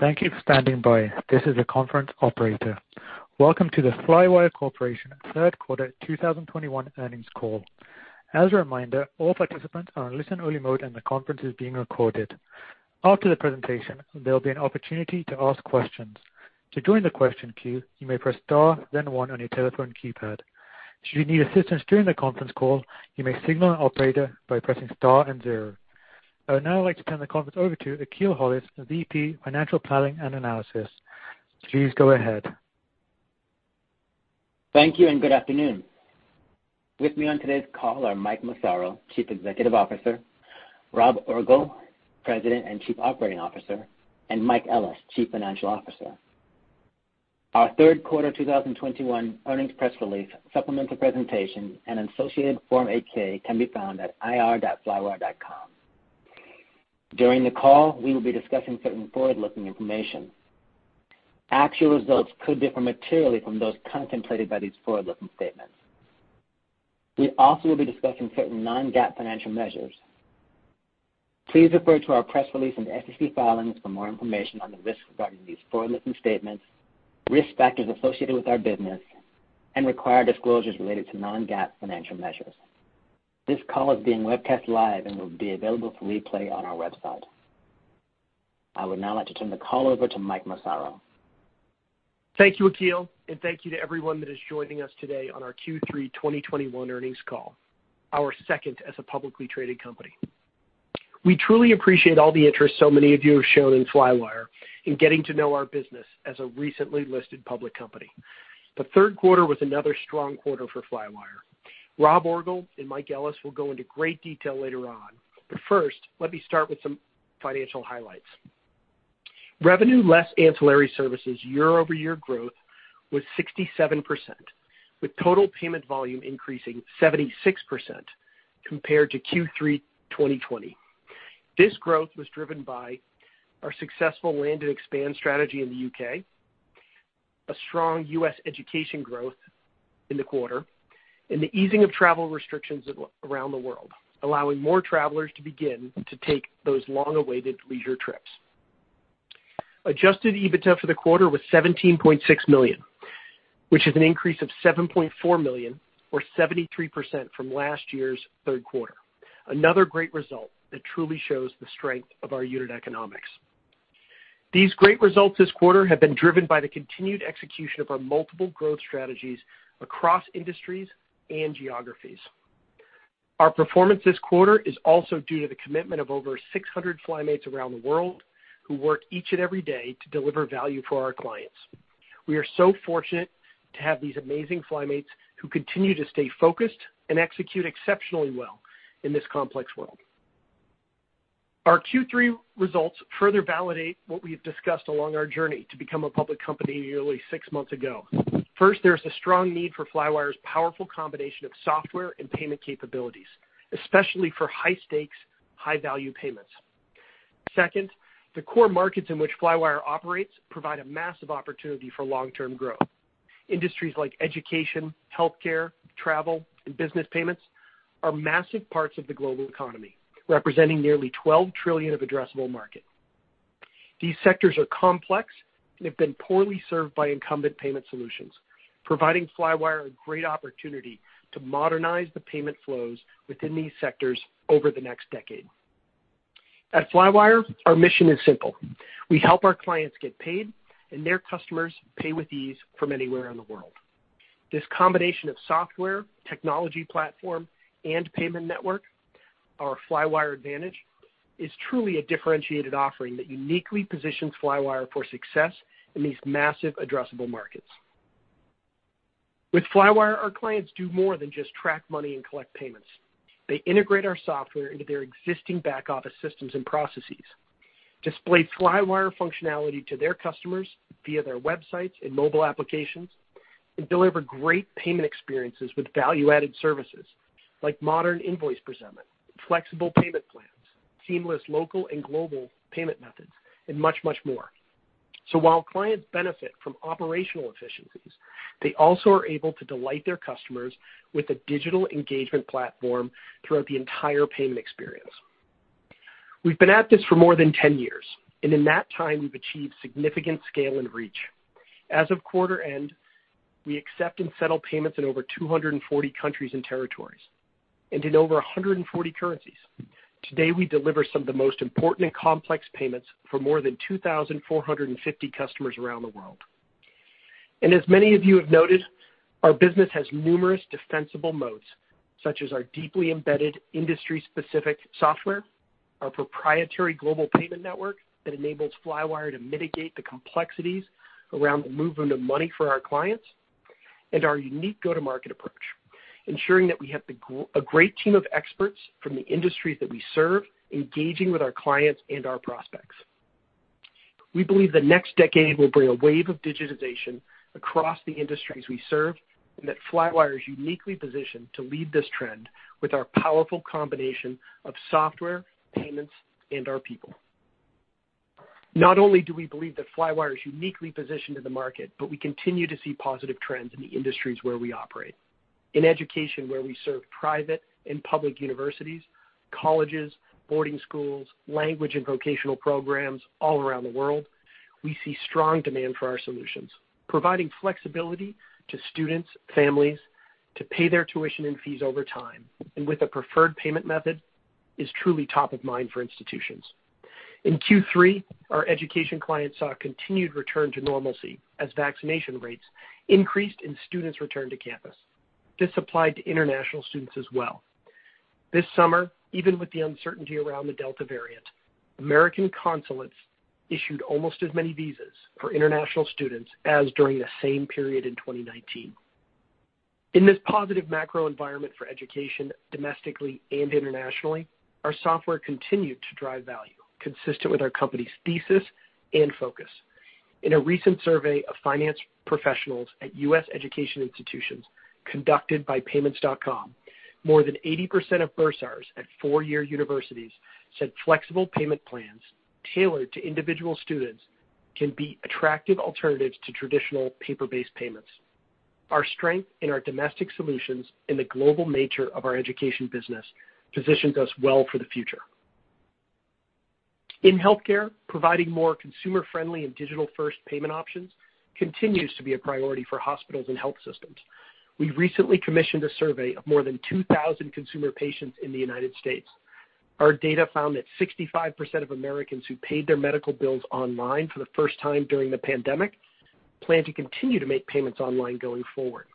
Thank you for standing by. This is the conference operator. Welcome to the Flywire Corporation Third Quarter 2021 Earnings Call. As a reminder, all participants are in listen-only mode, and the conference is being recorded. After the presentation, there'll be an opportunity to ask questions. To join the question queue, you may press Star, then 1 on your telephone keypad. Should you need assistance during the conference call, you may signal an operator by pressing Star and 0. I would now like to turn the conference over to Akil Hollis, VP Financial Planning and Analysis. Please go ahead. Thank you and good afternoon. With me on today's call are Mike Massaro, Chief Executive Officer, Rob Orgel, President and Chief Operating Officer, and Mike Ellis, Chief Financial Officer. Our third quarter 2021 earnings press release, supplemental presentation and associated Form 8-K can be found at ir.flywire.com. During the call, we will be discussing certain forward-looking information. Actual results could differ materially from those contemplated by these forward-looking statements. We also will be discussing certain non-GAAP financial measures. Please refer to our press release and SEC filings for more information on the risks regarding these forward-looking statements, risk factors associated with our business, and required disclosures related to non-GAAP financial measures. This call is being webcast live and will be available for replay on our website. I would now like to turn the call over to Mike Massaro. Thank you, Akil, and thank you to everyone that is joining us today on our Q3 2021 earnings call, our second as a publicly traded company. We truly appreciate all the interest so many of you have shown in Flywire in getting to know our business as a recently listed public company. The third quarter was another strong quarter for Flywire. Rob Orgel and Mike Ellis will go into great detail later on, but first, let me start with some financial highlights. Revenue less ancillary services year-over-year growth was 67%, with total payment volume increasing 76% compared to Q3 2020. This growth was driven by our successful Land and Expand strategy in the U.K., a strong U.S. education growth in the quarter, and the easing of travel restrictions around the world, allowing more travelers to begin to take those long-awaited leisure trips. Adjusted EBITDA for the quarter was $17.6 million, which is an increase of $7.4 million, or 73% from last year's third quarter. Another great result that truly shows the strength of our unit economics. These great results this quarter have been driven by the continued execution of our multiple growth strategies across industries and geographies. Our performance this quarter is also due to the commitment of over 600 FlyMates around the world who work each and every day to deliver value for our clients. We are so fortunate to have these amazing FlyMates who continue to stay focused and execute exceptionally well in this complex world. Our Q3 results further validate what we've discussed along our journey to become a public company nearly six months ago. First, there's a strong need for Flywire's powerful combination of software and payment capabilities, especially for high stakes, high value payments. Second, the core markets in which Flywire operates provide a massive opportunity for long-term growth. Industries like education, healthcare, travel, and business payments are massive parts of the global economy, representing nearly 12 trillion of addressable market. These sectors are complex and have been poorly served by incumbent payment solutions, providing Flywire a great opportunity to modernize the payment flows within these sectors over the next decade. At Flywire, our mission is simple: We help our clients get paid and their customers pay with ease from anywhere in the world. This combination of software, technology platform and payment network, our Flywire Advantage, is truly a differentiated offering that uniquely positions Flywire for success in these massive addressable markets. With Flywire, our clients do more than just track money and collect payments. They integrate our software into their existing back office systems and processes, display Flywire functionality to their customers via their websites and mobile applications, and deliver great payment experiences with value-added services like modern invoice presentment, flexible payment plans, seamless local and global payment methods, and much, much more. While clients benefit from operational efficiencies, they also are able to delight their customers with a digital engagement platform throughout the entire payment experience. We've been at this for more than 10 years, and in that time we've achieved significant scale and reach. As of quarter end, we accept and settle payments in over 240 countries and territories and in over 140 currencies. Today, we deliver some of the most important and complex payments for more than 2,450 customers around the world. As many of you have noted, our business has numerous defensible moats, such as our deeply embedded industry-specific software, our proprietary global payment network that enables Flywire to mitigate the complexities around the movement of money for our clients, and our unique go-to-market approach, ensuring that we have a great team of experts from the industries that we serve, engaging with our clients and our prospects. We believe the next decade will bring a wave of digitization across the industries we serve, and that Flywire is uniquely positioned to lead this trend with our powerful combination of software, payments, and our people. Not only do we believe that Flywire is uniquely positioned in the market, but we continue to see positive trends in the industries where we operate. In education, where we serve private and public universities, colleges, boarding schools, language and vocational programs all around the world, we see strong demand for our solutions, providing flexibility to students, families to pay their tuition and fees over time, and with a preferred payment method is truly top of mind for institutions. In Q3, our education clients saw a continued return to normalcy as vaccination rates increased and students returned to campus. This applied to international students as well. This summer, even with the uncertainty around the Delta variant, American consulates issued almost as many visas for international students as during the same period in 2019. In this positive macro environment for education domestically and internationally, our software continued to drive value consistent with our company's thesis and focus. In a recent survey of finance professionals at U.S. education institutions conducted by PYMNTS.com, more than 80% of bursars at four-year universities said flexible payment plans tailored to individual students can be attractive alternatives to traditional paper-based payments. Our strength in our domestic solutions and the global nature of our education business positions us well for the future. In healthcare, providing more consumer-friendly and digital-first payment options continues to be a priority for hospitals and health systems. We recently commissioned a survey of more than 2,000 consumer patients in the United States. Our data found that 65% of Americans who paid their medical bills online for the first time during the pandemic plan to continue to make payments online going forward.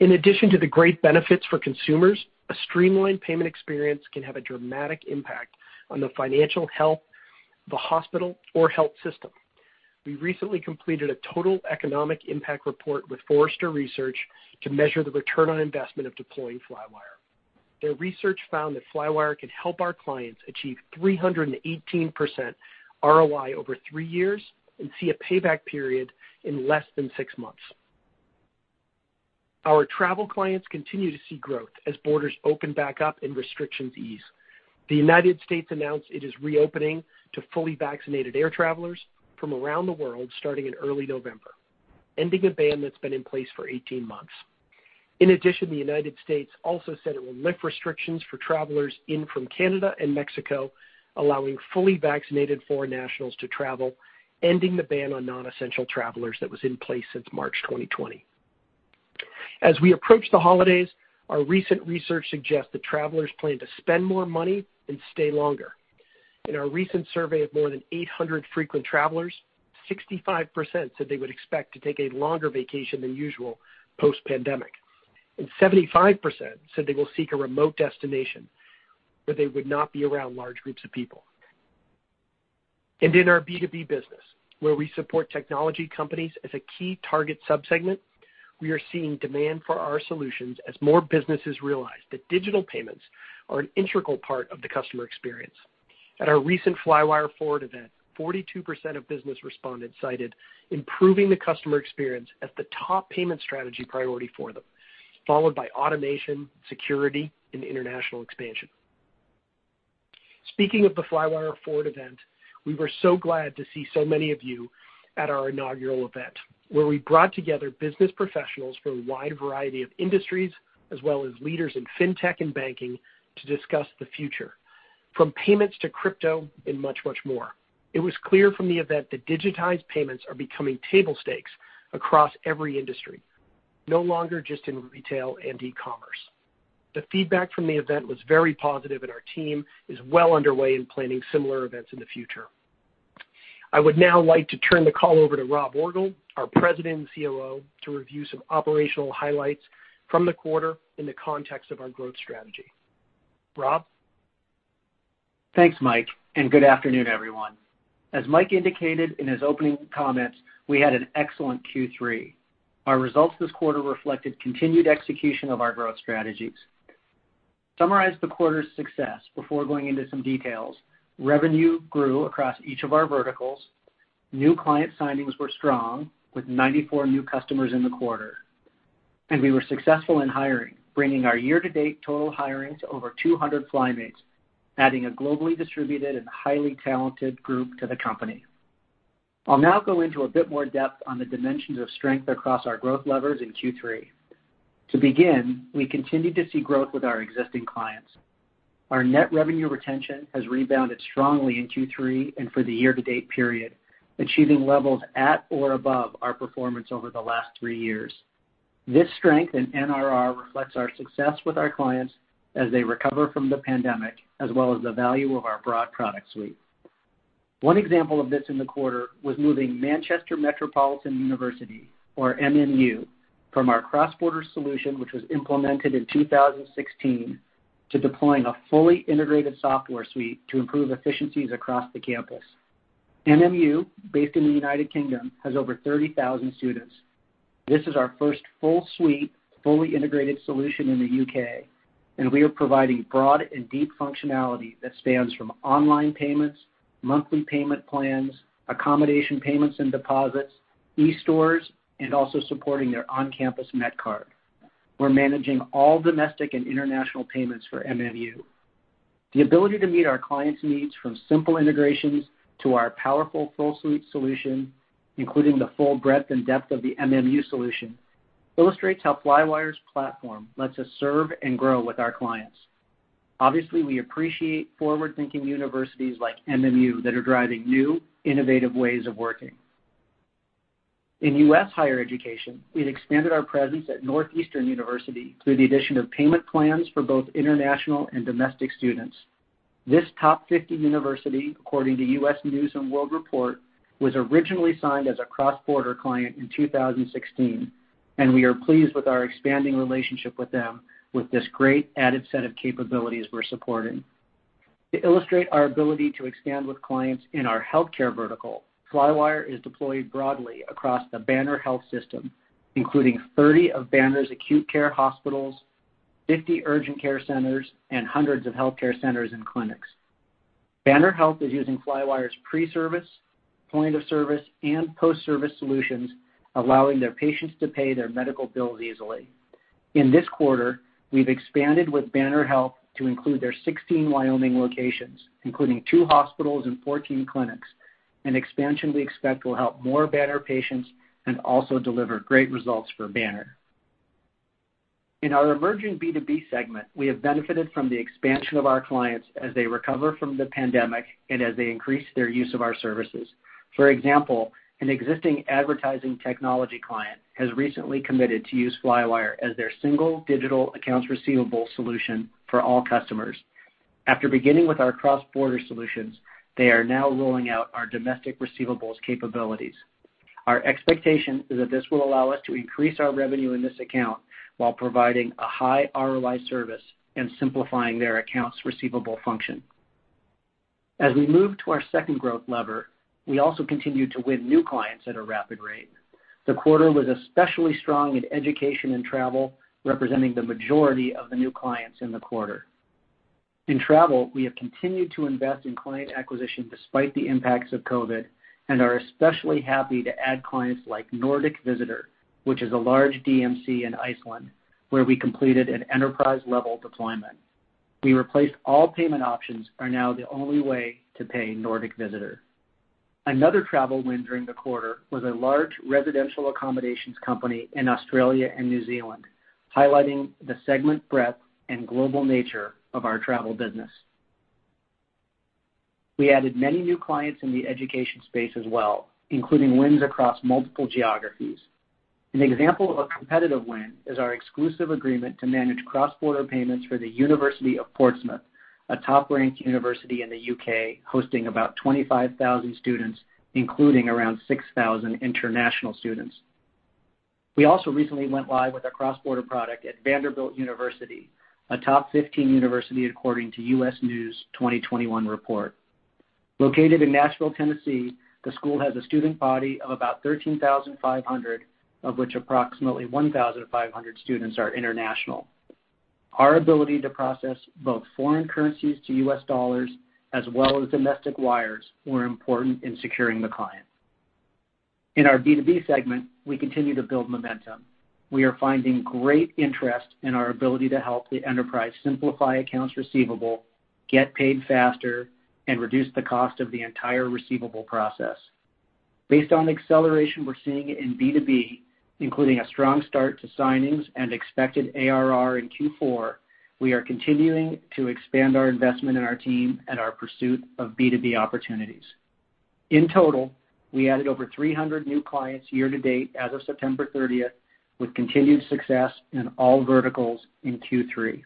In addition to the great benefits for consumers, a streamlined payment experience can have a dramatic impact on the financial health of a hospital or health system. We recently completed a Total Economic Impact report with Forrester Research to measure the return on investment of deploying Flywire. Their research found that Flywire can help our clients achieve 318% ROI over 3 years and see a payback period in less than 6 months. Our travel clients continue to see growth as borders open back up and restrictions ease. The United States announced it is reopening to fully vaccinated air travelers from around the world starting in early November, ending a ban that's been in place for 18 months. In addition, the United States also said it will lift restrictions for travelers in from Canada and Mexico, allowing fully vaccinated foreign nationals to travel, ending the ban on non-essential travelers that was in place since March 2020. As we approach the holidays, our recent research suggests that travelers plan to spend more money and stay longer. In our recent survey of more than 800 frequent travelers, 65% said they would expect to take a longer vacation than usual post-pandemic, and 75% said they will seek a remote destination where they would not be around large groups of people. In our B2B business, where we support technology companies as a key target subsegment, we are seeing demand for our solutions as more businesses realize that digital payments are an integral part of the customer experience. At our recent Flywire Forward event, 42% of business respondents cited improving the customer experience as the top payment strategy priority for them, followed by automation, security, and international expansion. Speaking of the Flywire Forward event, we were so glad to see so many of you at our inaugural event, where we brought together business professionals from a wide variety of industries, as well as leaders in fintech and banking to discuss the future, from payments to crypto and much, much more. It was clear from the event that digitized payments are becoming table stakes across every industry, no longer just in retail and e-commerce. The feedback from the event was very positive, and our team is well underway in planning similar events in the future. I would now like to turn the call over to Rob Orgel, our President and COO, to review some operational highlights from the quarter in the context of our growth strategy. Rob? Thanks, Mike, and good afternoon, everyone. As Mike indicated in his opening comments, we had an excellent Q3. Our results this quarter reflected continued execution of our growth strategies. To summarize the quarter's success before going into some details, revenue grew across each of our verticals. New client signings were strong, with 94 new customers in the quarter. We were successful in hiring, bringing our year-to-date total hiring to over 200 FlyMates, adding a globally distributed and highly talented group to the company. I'll now go into a bit more depth on the dimensions of strength across our growth levers in Q3. To begin, we continue to see growth with our existing clients. Our net revenue retention has rebounded strongly in Q3 and for the year-to-date period, achieving levels at or above our performance over the last three years. This strength in NRR reflects our success with our clients as they recover from the pandemic, as well as the value of our broad product suite. One example of this in the quarter was moving Manchester Metropolitan University, or MMU, from our cross-border solution, which was implemented in 2016, to deploying a fully integrated software suite to improve efficiencies across the campus. MMU, based in the United Kingdom, has over 30,000 students. This is our first full suite, fully integrated solution in the U.K., and we are providing broad and deep functionality that spans from online payments, monthly payment plans, accommodation payments and deposits, e-stores, and also supporting their on-campus Met Card. We're managing all domestic and international payments for MMU. The ability to meet our clients' needs from simple integrations to our powerful full suite solution, including the full breadth and depth of the MMU solution, illustrates how Flywire's platform lets us serve and grow with our clients. Obviously, we appreciate forward-thinking universities like MMU that are driving new, innovative ways of working. In U.S. higher education, we've expanded our presence at Northeastern University through the addition of payment plans for both international and domestic students. This top 50 university, according to U.S. News & World Report, was originally signed as a cross-border client in 2016, and we are pleased with our expanding relationship with them with this great added set of capabilities we're supporting. To illustrate our ability to expand with clients in our healthcare vertical, Flywire is deployed broadly across the Banner Health system, including 30 of Banner's acute care hospitals, 50 urgent care centers, and hundreds of healthcare centers and clinics. Banner Health is using Flywire's pre-service, point-of-service, and post-service solutions, allowing their patients to pay their medical bills easily. In this quarter, we've expanded with Banner Health to include their 16 Wyoming locations, including two hospitals and 14 clinics, an expansion we expect will help more Banner patients and also deliver great results for Banner. In our emerging B2B segment, we have benefited from the expansion of our clients as they recover from the pandemic and as they increase their use of our services. For example, an existing advertising technology client has recently committed to use Flywire as their single digital accounts receivable solution for all customers. After beginning with our cross-border solutions, they are now rolling out our domestic receivables capabilities. Our expectation is that this will allow us to increase our revenue in this account while providing a high ROI service and simplifying their accounts receivable function. As we move to our second growth lever, we also continue to win new clients at a rapid rate. The quarter was especially strong in education and travel, representing the majority of the new clients in the quarter. In travel, we have continued to invest in client acquisition despite the impacts of COVID and are especially happy to add clients like Nordic Visitor, which is a large DMC in Iceland, where we completed an enterprise-level deployment. We replaced all payment options and are now the only way to pay Nordic Visitor. Another travel win during the quarter was a large residential accommodations company in Australia and New Zealand, highlighting the segment breadth and global nature of our travel business. We added many new clients in the education space as well, including wins across multiple geographies. An example of a competitive win is our exclusive agreement to manage cross-border payments for the University of Portsmouth, a top-ranked university in the U.K., hosting about 25,000 students, including around 6,000 international students. We also recently went live with our cross-border product at Vanderbilt University, a top 15 university according to U.S. News 2021 report. Located in Nashville, Tennessee, the school has a student body of about 13,500, of which approximately 1,500 students are international. Our ability to process both foreign currencies to U.S. dollars as well as domestic wires were important in securing the client. In our B2B segment, we continue to build momentum. We are finding great interest in our ability to help the enterprise simplify accounts receivable, get paid faster, and reduce the cost of the entire receivable process. Based on the acceleration we're seeing in B2B, including a strong start to signings and expected ARR in Q4, we are continuing to expand our investment in our team and our pursuit of B2B opportunities. In total, we added over 300 new clients year-to-date as of September 30th, with continued success in all verticals in Q3.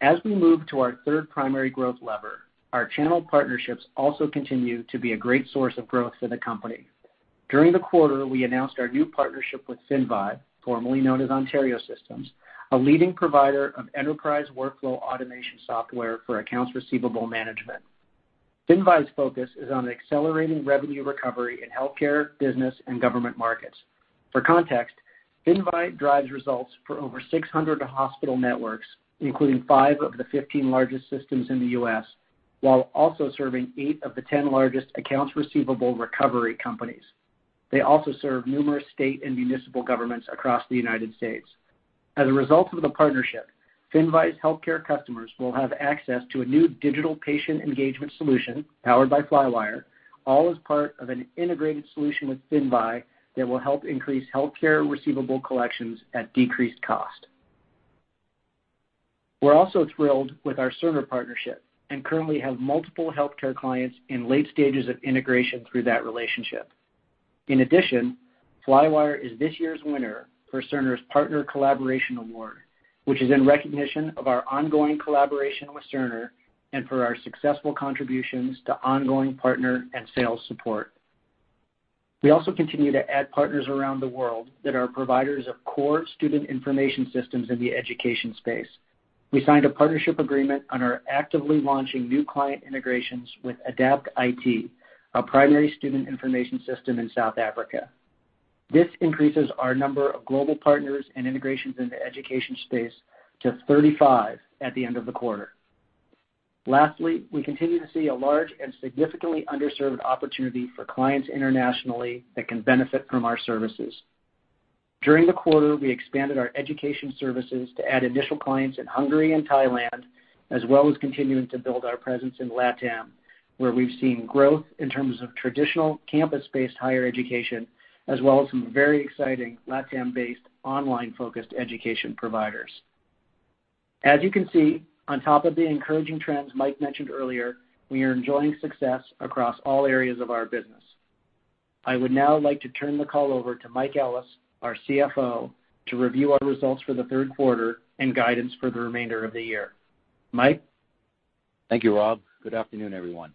As we move to our third primary growth lever, our channel partnerships also continue to be a great source of growth for the company. During the quarter, we announced our new partnership with Finvi, formerly known as Ontario Systems, a leading provider of enterprise workflow automation software for accounts receivable management. Finvi's focus is on accelerating revenue recovery in healthcare, business, and government markets. For context, Finvi drives results for over 600 hospital networks, including five of the 15 largest systems in the U.S., while also serving eight of the 10 largest accounts receivable recovery companies. They also serve numerous state and municipal governments across the United States. As a result of the partnership, Finvi's healthcare customers will have access to a new digital patient engagement solution powered by Flywire, all as part of an integrated solution with Finvi that will help increase healthcare receivable collections at decreased cost. We're also thrilled with our Cerner partnership and currently have multiple healthcare clients in late stages of integration through that relationship. In addition, Flywire is this year's winner for Cerner's Collaboration Award, which is in recognition of our ongoing collaboration with Cerner and for our successful contributions to ongoing partner and sales support. We also continue to add partners around the world that are providers of core student information systems in the education space. We signed a partnership agreement and are actively launching new client integrations with Adapt IT, a primary student information system in South Africa. This increases our number of global partners and integrations in the education space to 35 at the end of the quarter. Lastly, we continue to see a large and significantly underserved opportunity for clients internationally that can benefit from our services. During the quarter, we expanded our education services to add initial clients in Hungary and Thailand, as well as continuing to build our presence in LATAM, where we've seen growth in terms of traditional campus-based higher education, as well as some very exciting LATAM-based online-focused education providers. As you can see, on top of the encouraging trends Mike mentioned earlier, we are enjoying success across all areas of our business. I would now like to turn the call over to Mike Ellis, our CFO, to review our results for the third quarter and guidance for the remainder of the year. Mike? Thank you, Rob. Good afternoon, everyone.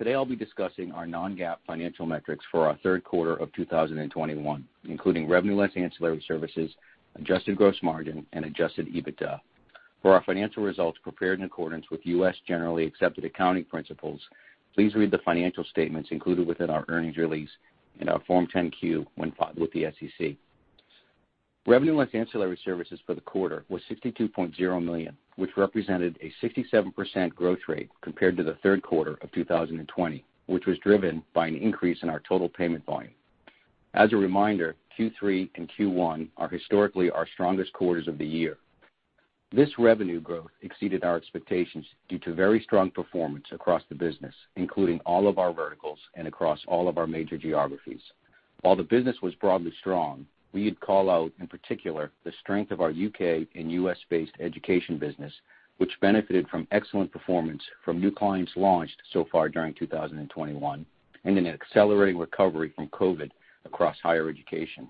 Today, I'll be discussing our non-GAAP financial metrics for our third quarter of 2021, including revenue less ancillary services, adjusted gross margin, and Adjusted EBITDA. For our financial results prepared in accordance with U.S. generally accepted accounting principles, please read the financial statements included within our earnings release in our Form 10-Q, when filed with the SEC. Revenue less ancillary services for the quarter was $62.0 million, which represented a 67% growth rate compared to the third quarter of 2020, which was driven by an increase in our total payment volume. As a reminder, Q3 and Q1 are historically our strongest quarters of the year. This revenue growth exceeded our expectations due to very strong performance across the business, including all of our verticals and across all of our major geographies. While the business was broadly strong, we would call out, in particular, the strength of our U.K. and U.S.-based education business, which benefited from excellent performance from new clients launched so far during 2021 and an accelerating recovery from COVID across higher education.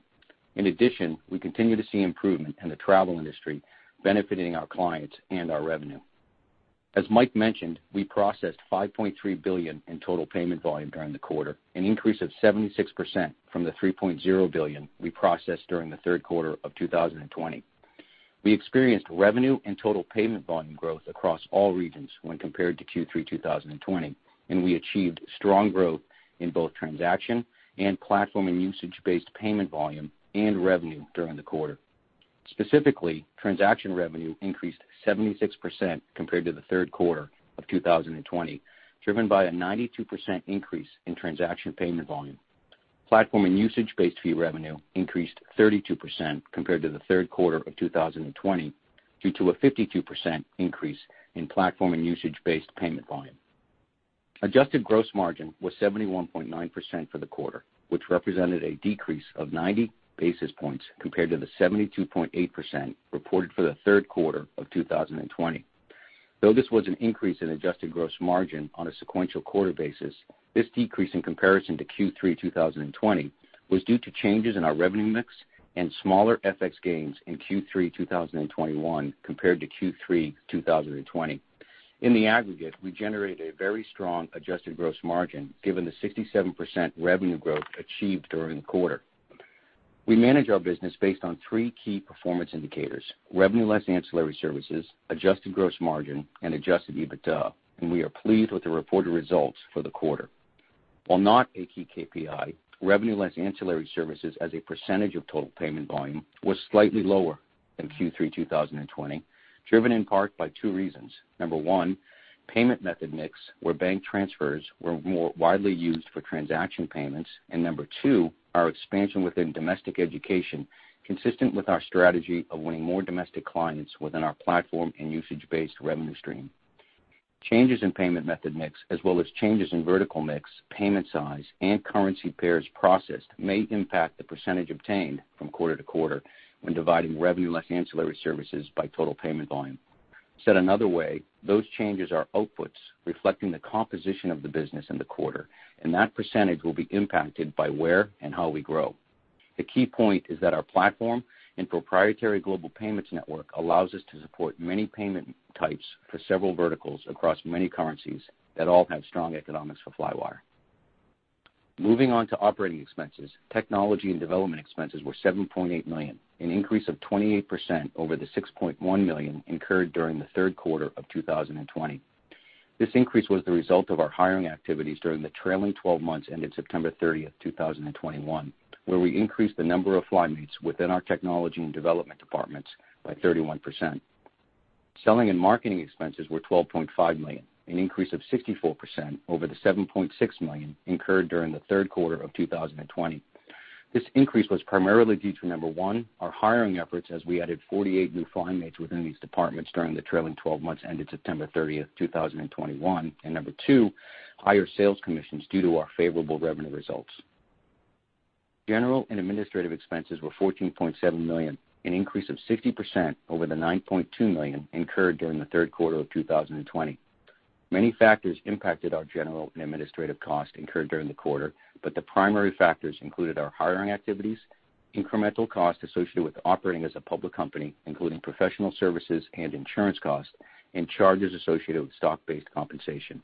In addition, we continue to see improvement in the travel industry benefiting our clients and our revenue. As Mike mentioned, we processed $5.3 billion in total payment volume during the quarter, an increase of 76% from the $3.0 billion we processed during the third quarter of 2020. We experienced revenue and total payment volume growth across all regions when compared to Q3 2020, and we achieved strong growth in both transaction and platform and usage-based payment volume and revenue during the quarter. Specifically, transaction revenue increased 76% compared to the third quarter of 2020, driven by a 92% increase in transaction payment volume. Platform and usage-based fee revenue increased 32% compared to the third quarter of 2020 due to a 52% increase in platform and usage-based payment volume. Adjusted gross margin was 71.9% for the quarter, which represented a decrease of 90 basis points compared to the 72.8% reported for the third quarter of 2020. Though this was an increase in adjusted gross margin on a sequential quarter basis, this decrease in comparison to Q3 2020 was due to changes in our revenue mix and smaller FX gains in Q3 2021 compared to Q3 2020. In the aggregate, we generated a very strong adjusted gross margin given the 67% revenue growth achieved during the quarter. We manage our business based on three key performance indicators, revenue less ancillary services, adjusted gross margin, and Adjusted EBITDA, and we are pleased with the reported results for the quarter. While not a key KPI, revenue less ancillary services as a percentage of total payment volume was slightly lower than Q3 2020, driven in part by two reasons. Number one, payment method mix, where bank transfers were more widely used for transaction payments. Number two, our expansion within domestic education, consistent with our strategy of winning more domestic clients within our platform and usage-based revenue stream. Changes in payment method mix, as well as changes in vertical mix, payment size, and currency pairs processed may impact the percentage obtained from quarter to quarter when dividing revenue less ancillary services by total payment volume. Said another way, those changes are outputs reflecting the composition of the business in the quarter, and that percentage will be impacted by where and how we grow. The key point is that our platform and proprietary global payments network allows us to support many payment types for several verticals across many currencies that all have strong economics for Flywire. Moving on to operating expenses, technology and development expenses were $7.8 million, an increase of 28% over the $6.1 million incurred during the third quarter of 2020. This increase was the result of our hiring activities during the trailing twelve months ended September 30, 2021, where we increased the number of FlyMates within our technology and development departments by 31%. Selling and marketing expenses were $12.5 million, an increase of 64% over the $7.6 million incurred during the third quarter of 2020. This increase was primarily due to, number one, our hiring efforts as we added 48 new FlyMates within these departments during the trailing twelve months ended September 30, 2021. Number two, higher sales commissions due to our favorable revenue results. General and administrative expenses were $14.7 million, an increase of 60% over the $9.2 million incurred during the third quarter of 2020. Many factors impacted our general and administrative costs incurred during the quarter, but the primary factors included our hiring activities, incremental costs associated with operating as a public company, including professional services and insurance costs, and charges associated with stock-based compensation.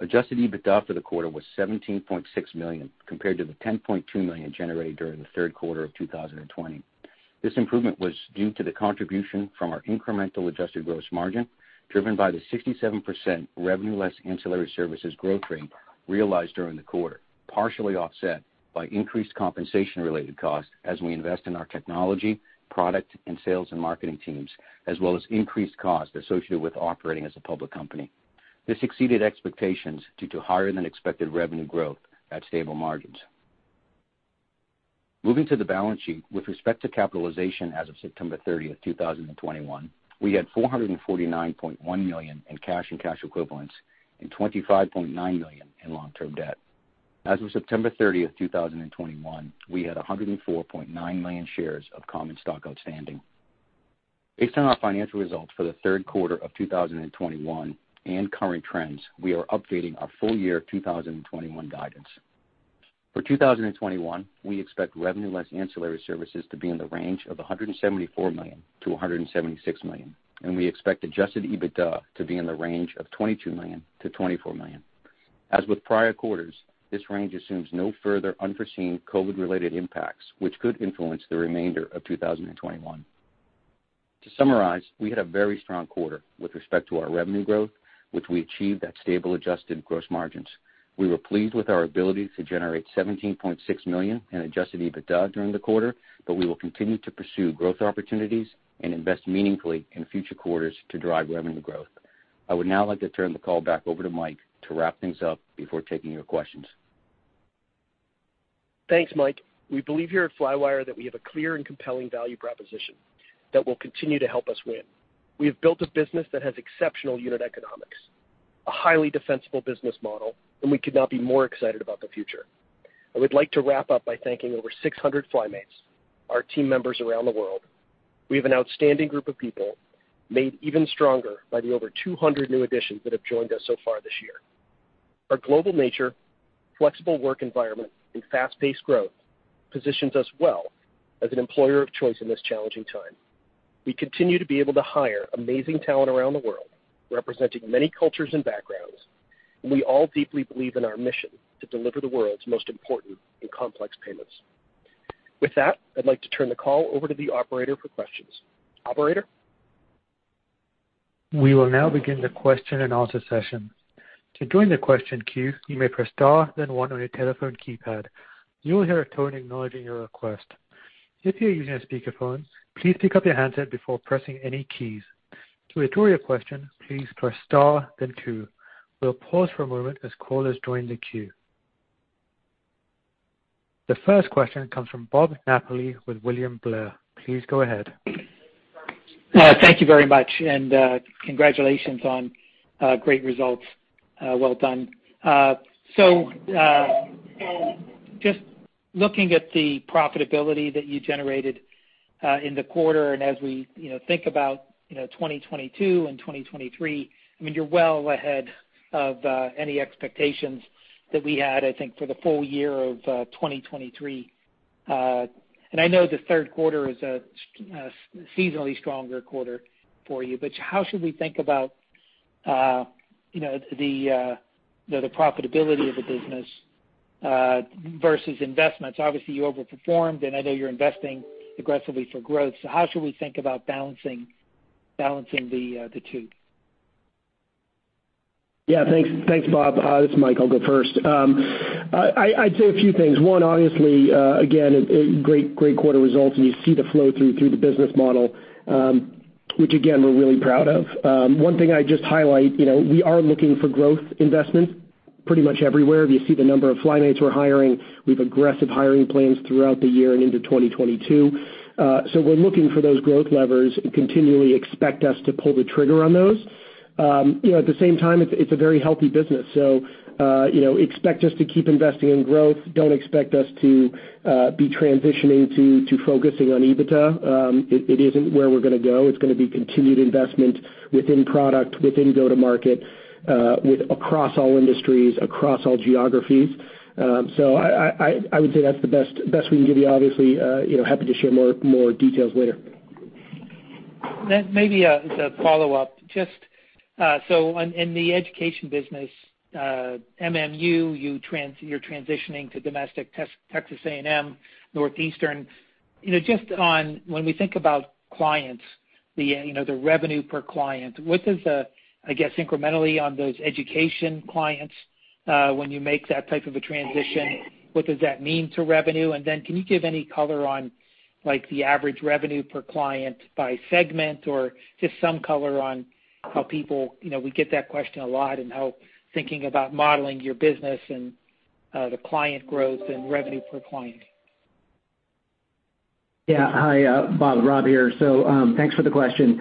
Adjusted EBITDA for the quarter was $17.6 million compared to the $10.2 million generated during the third quarter of 2020. This improvement was due to the contribution from our incremental adjusted gross margin, driven by the 67% revenue less ancillary services growth rate realized during the quarter, partially offset by increased compensation-related costs as we invest in our technology, product, and sales and marketing teams, as well as increased costs associated with operating as a public company. This exceeded expectations due to higher-than-expected revenue growth at stable margins. Moving to the balance sheet with respect to capitalization as of September 30, 2021, we had $449.1 million in cash and cash equivalents and $25.9 million in long-term debt. As of September 30, 2021, we had 104.9 million shares of common stock outstanding. Based on our financial results for the third quarter of 2021 and current trends, we are updating our full year 2021 guidance. For 2021, we expect revenue less ancillary services to be in the range of $174 million-$176 million. We expect Adjusted EBITDA to be in the range of $22 million-$24 million. As with prior quarters, this range assumes no further unforeseen COVID-related impacts which could influence the remainder of 2021. To summarize, we had a very strong quarter with respect to our revenue growth, which we achieved at stable adjusted gross margins. We were pleased with our ability to generate $17.6 million in Adjusted EBITDA during the quarter. We will continue to pursue growth opportunities and invest meaningfully in future quarters to drive revenue growth. I would now like to turn the call back over to Mike to wrap things up before taking your questions. Thanks, Mike. We believe here at Flywire that we have a clear and compelling value proposition that will continue to help us win. We have built a business that has exceptional unit economics, a highly defensible business model, and we could not be more excited about the future. I would like to wrap up by thanking over 600 FlyMates, our team members around the world. We have an outstanding group of people, made even stronger by the over 200 new additions that have joined us so far this year. Our global nature, flexible work environment, and fast-paced growth positions us well as an employer of choice in this challenging time. We continue to be able to hire amazing talent around the world, representing many cultures and backgrounds, and we all deeply believe in our mission to deliver the world's most important and complex payments. With that, I'd like to turn the call over to the operator for questions. Operator? We will now begin the question and answer session. To join the question queue, you may press star then one on your telephone keypad. You will hear a tone acknowledging your request. If you are using a speakerphone, please pick up your handset before pressing any keys. To withdraw your question, please press star then two. We'll pause for a moment as callers join the queue. The first question comes from Bob Napoli with William Blair. Please go ahead. Thank you very much, and congratulations on great results. Well done. Just looking at the profitability that you generated in the quarter, and as we, you know, think about, you know, 2022 and 2023, I mean, you're well ahead of any expectations that we had, I think, for the full year of 2023. I know the third quarter is a seasonally stronger quarter for you, but how should we think about the profitability of the business versus investments? Obviously, you overperformed, and I know you're investing aggressively for growth. How should we think about balancing the two? Yeah, thanks. Thanks, Bob. This is Mike. I'll go first. I'd say a few things. One, obviously, again, great quarter results, and you see the flow through the business model, which again, we're really proud of. One thing I'd just highlight, you know. We are looking for growth investments pretty much everywhere. You see the number of FlyMates we're hiring. We have aggressive hiring plans throughout the year and into 2022. So we're looking for those growth levers and continually expect us to pull the trigger on those. You know, at the same time, it's a very healthy business. So, you know, expect us to keep investing in growth. Don't expect us to be transitioning to focusing on EBITDA. It isn't where we're gonna go. It's gonna be continued investment within product, within go-to-market, with across all industries, across all geographies. I would say that's the best we can give you, obviously, you know, happy to share more details later. Maybe as a follow-up. Just so on in the education business, MMU, you're transitioning to domestic Texas A&M, Northeastern. You know, just on when we think about clients, you know, the revenue per client, what does that, I guess, incrementally on those education clients, when you make that type of a transition, what does that mean to revenue? And then can you give any color on like the average revenue per client by segment or just some color on how people, you know, we get that question a lot and how thinking about modeling your business and the client growth and revenue per client. Yeah. Hi, Bob. Rob here. Thanks for the question.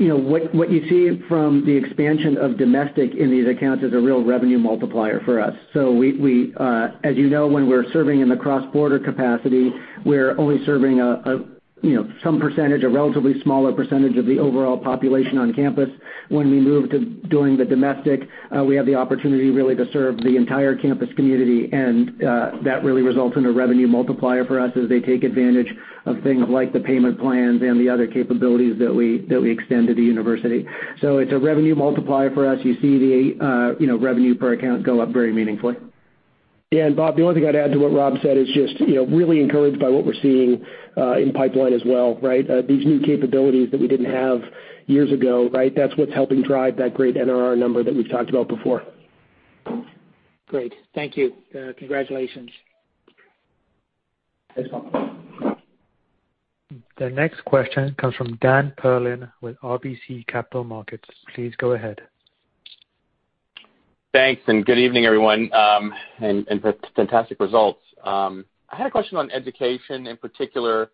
You know, what you see from the expansion of domestic in these accounts is a real revenue multiplier for us. We as you know, when we're serving in the cross-border capacity, we're only serving a you know, some percentage, a relatively smaller percentage of the overall population on campus. When we move to doing the domestic, we have the opportunity really to serve the entire campus community. That really results in a revenue multiplier for us as they take advantage of things like the payment plans and the other capabilities that we extend to the university. It's a revenue multiplier for us. You see the you know, revenue per account go up very meaningfully. Bob, the only thing I'd add to what Rob said is just, you know, really encouraged by what we're seeing in pipeline as well, right? These new capabilities that we didn't have years ago, right? That's what's helping drive that great NRR number that we've talked about before. Great. Thank you. Congratulations. Thanks, Bob. The next question comes from Dan Perlin with RBC Capital Markets. Please go ahead. Thanks, and good evening, everyone, and fantastic results. I had a question on education in particular,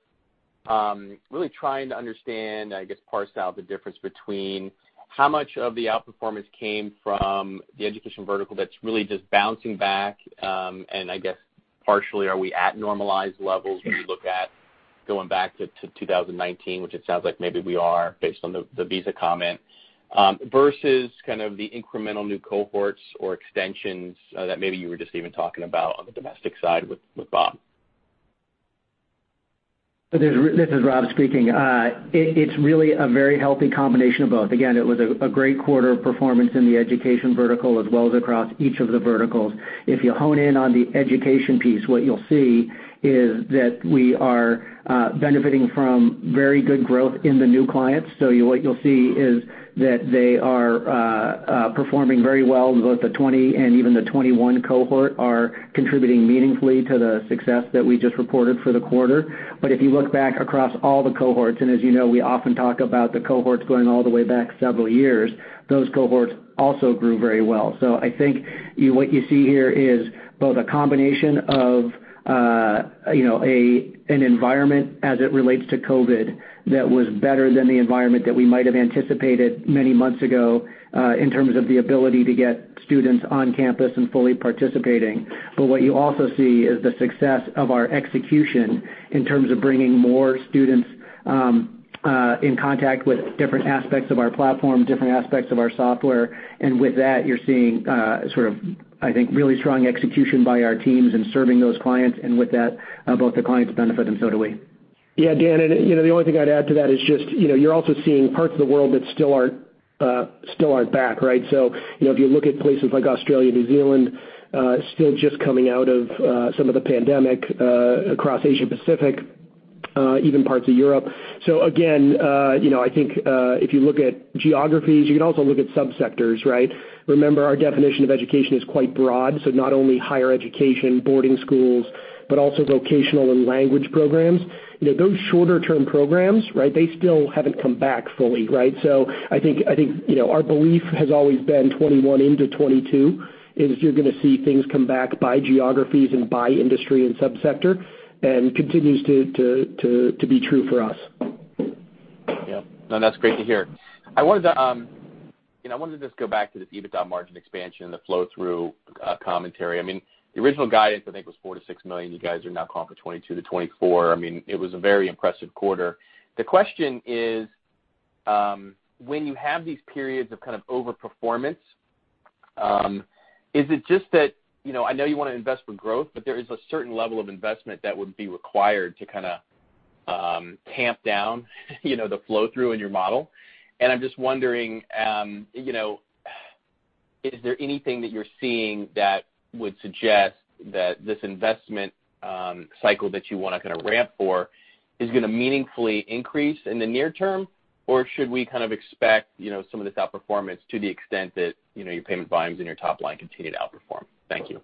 really trying to understand, I guess, parse out the difference between how much of the outperformance came from the education vertical that's really just bouncing back, and I guess partially are we at normalized levels when you look at going back to 2019, which it sounds like maybe we are based on the Visa comment, versus kind of the incremental new cohorts or extensions that maybe you were just even talking about on the domestic side with Bob. This is Rob speaking. It's really a very healthy combination of both. Again, it was a great quarter of performance in the education vertical as well as across each of the verticals. If you hone in on the education piece, what you'll see is that we are benefiting from very good growth in the new clients. What you'll see is that they are performing very well. Both the 2020 and even the 2021 cohort are contributing meaningfully to the success that we just reported for the quarter. If you look back across all the cohorts, and as you know, we often talk about the cohorts going all the way back several years, those cohorts also grew very well. I think what you see here is both a combination of, you know, an environment as it relates to COVID that was better than the environment that we might have anticipated many months ago, in terms of the ability to get students on campus and fully participating. What you also see is the success of our execution in terms of bringing more students in contact with different aspects of our platform, different aspects of our software. With that, you're seeing sort of, I think, really strong execution by our teams in serving those clients. With that, both the clients benefit and so do we. Yeah, Dan, you know, the only thing I'd add to that is just, you know, you're also seeing parts of the world that still aren't back, right? You know, if you look at places like Australia, New Zealand, still just coming out of some of the pandemic across Asia Pacific, even parts of Europe. Again, you know, I think if you look at geographies, you can also look at subsectors, right? Remember, our definition of education is quite broad, so not only higher education, boarding schools, but also vocational and language programs. You know, those shorter-term programs, right, they still haven't come back fully, right? I think, you know, our belief has always been 2021 into 2022 is you're gonna see things come back by geographies and by industry and subsector and continues to be true for us. Yeah. No, that's great to hear. I wanted to, you know, I wanted to just go back to the EBITDA margin expansion and the flow-through commentary. I mean, the original guidance I think was $4 million-$6 million. You guys are now calling for $22 million-$24 million. I mean, it was a very impressive quarter. The question is, when you have these periods of kind of overperformance, is it just that, you know, I know you wanna invest for growth, but there is a certain level of investment that would be required to kinda tamp down, you know, the flow-through in your model? I'm just wondering, you know, is there anything that you're seeing that would suggest that this investment cycle that you wanna kinda ramp for is gonna meaningfully increase in the near term, or should we kind of expect, you know, some of this outperformance to the extent that, you know, your payment volumes and your top line continue to outperform? Thank you.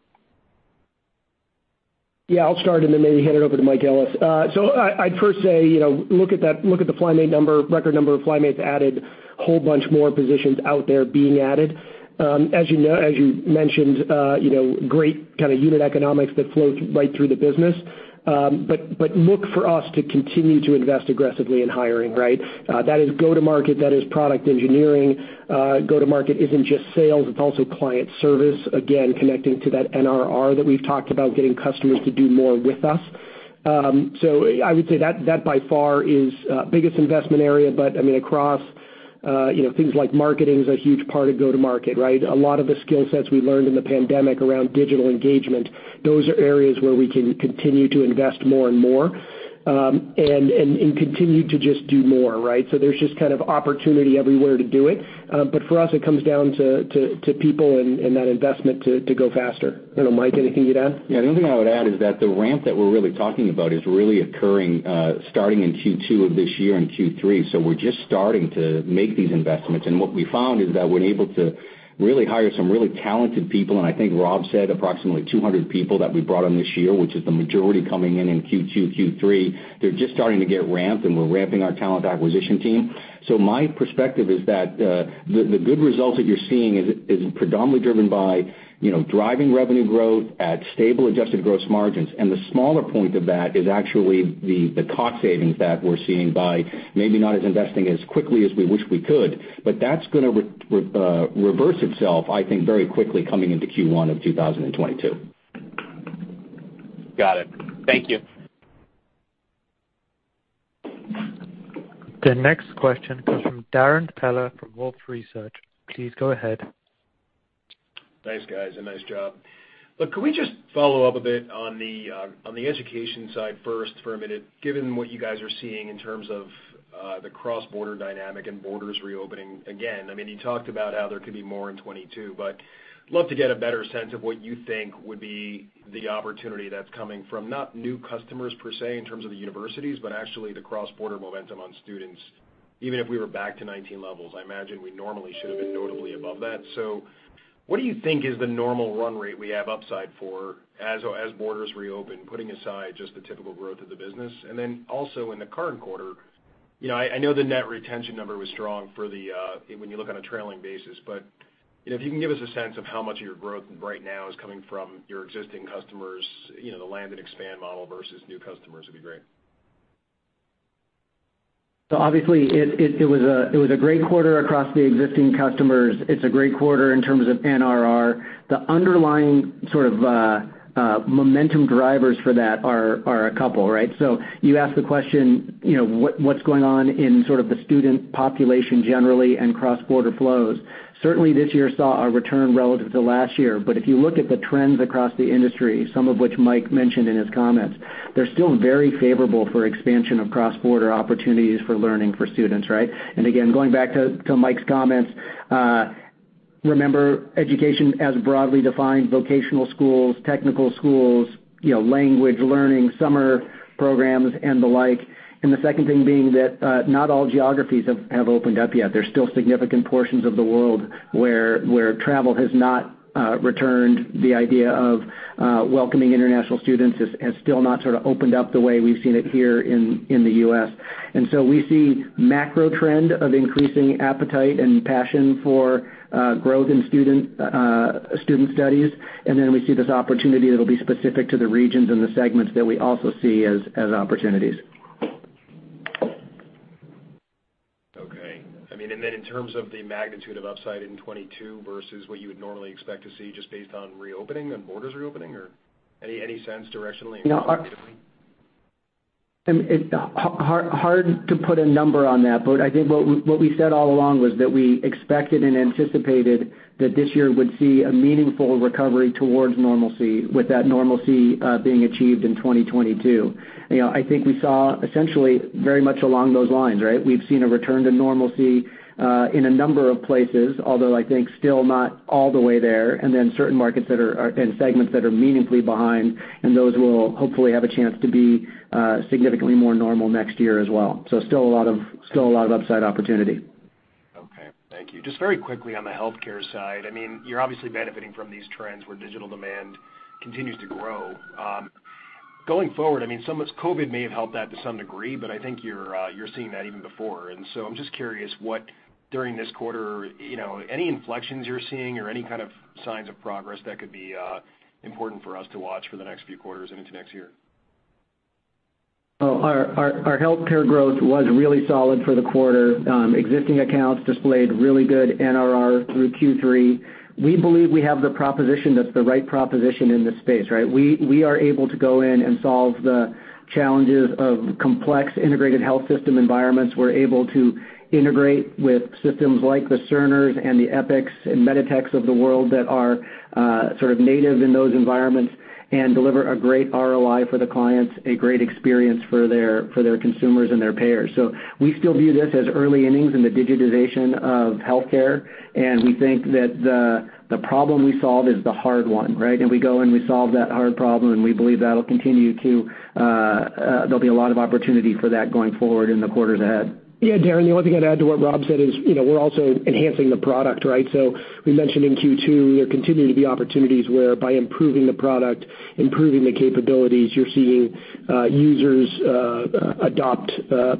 Yeah, I'll start and then maybe hand it over to Mike Ellis. So I'd first say, you know, look at the FlyMates number, record number of FlyMates added, whole bunch more positions out there being added. As you know, as you mentioned, you know, great kind of unit economics that flow right through the business. Look for us to continue to invest aggressively in hiring, right? That is go-to-market, that is product engineering. Go-to-market isn't just sales, it's also client service, again, connecting to that NRR that we've talked about, getting customers to do more with us. So I would say that by far is biggest investment area. I mean, across, you know, things like marketing is a huge part of go-to-market, right? A lot of the skill sets we learned in the pandemic around digital engagement, those are areas where we can continue to invest more and more, and continue to just do more, right? There's just kind of opportunity everywhere to do it. For us, it comes down to people and that investment to go faster. I don't know, Mike, anything you'd add? Yeah. The only thing I would add is that the ramp that we're really talking about is really occurring starting in Q2 of this year and Q3. We're just starting to make these investments, and what we found is that we're able to really hire some really talented people, and I think Rob said approximately 200 people that we brought on this year, which is the majority coming in in Q2, Q3. They're just starting to get ramped, and we're ramping our talent acquisition team. My perspective is that the good results that you're seeing is predominantly driven by, you know, driving revenue growth at stable adjusted gross margins. The smaller point of that is actually the cost savings that we're seeing by maybe not investing as quickly as we wish we could. That's gonna reverse itself, I think, very quickly coming into Q1 of 2022. Got it. Thank you. The next question comes from Darrin Peller from Wolfe Research. Please go ahead. Thanks, guys. Nice job. Look, can we just follow up a bit on the education side first for a minute, given what you guys are seeing in terms of the cross-border dynamic and borders reopening again? I mean, you talked about how there could be more in 2022, but love to get a better sense of what you think would be the opportunity that's coming from not new customers per se in terms of the universities, but actually the cross-border momentum on students, even if we were back to 2019 levels. I imagine we normally should have been notably above that. What do you think is the normal run rate we have upside for as borders reopen, putting aside just the typical growth of the business? In the current quarter, you know, I know the net retention number was strong when you look on a trailing basis. You know, if you can give us a sense of how much of your growth right now is coming from your existing customers, you know, the land and expand model versus new customers, it'd be great. Obviously it was a great quarter across the existing customers. It's a great quarter in terms of NRR. The underlying momentum drivers for that are a couple, right? You asked the question, you know, what's going on in sort of the student population generally and cross-border flows. Certainly, this year saw a return relative to last year. If you look at the trends across the industry, some of which Mike mentioned in his comments, they're still very favorable for expansion of cross-border opportunities for learning for students, right? Again, going back to Mike's comments, remember education as broadly defined, vocational schools, technical schools, you know, language learning, summer programs, and the like. The second thing being that not all geographies have opened up yet. There's still significant portions of the world where travel has not returned. The idea of welcoming international students has still not sort of opened up the way we've seen it here in the U.S. We see macro trend of increasing appetite and passion for growth in student studies. We see this opportunity that'll be specific to the regions and the segments that we also see as opportunities. Okay. I mean, in terms of the magnitude of upside in 2022 versus what you would normally expect to see just based on reopening and borders reopening or any sense directionally and qualitatively? You know, it's hard to put a number on that. I think what we said all along was that we expected and anticipated that this year would see a meaningful recovery towards normalcy, with that normalcy being achieved in 2022. You know, I think we saw essentially very much along those lines, right? We've seen a return to normalcy in a number of places, although I think still not all the way there. Then certain markets that are and segments that are meaningfully behind, and those will hopefully have a chance to be significantly more normal next year as well. Still a lot of upside opportunity. Okay, thank you. Just very quickly on the healthcare side, I mean, you're obviously benefiting from these trends where digital demand continues to grow. Going forward, I mean, some of this COVID may have helped that to some degree, but I think you're seeing that even before. I'm just curious what, during this quarter, you know, any inflections you're seeing or any kind of signs of progress that could be important for us to watch for the next few quarters and into next year? Well, our healthcare growth was really solid for the quarter. Existing accounts displayed really good NRR through Q3. We believe we have the proposition that's the right proposition in this space, right? We are able to go in and solve the challenges of complex integrated health system environments. We're able to integrate with systems like the Cerner's and the Epic's and MEDITECH's of the world that are sort of native in those environments and deliver a great ROI for the clients, a great experience for their consumers and their payers. We still view this as early innings in the digitization of healthcare, and we think that the problem we solve is the hard one, right? We go, and we solve that hard problem, and we believe that'll continue to. There'll be a lot of opportunity for that going forward in the quarters ahead. Yeah, Darrin, the only thing I'd add to what Rob said is, you know, we're also enhancing the product, right? We mentioned in Q2, there continue to be opportunities where by improving the product, improving the capabilities, you're seeing users adopt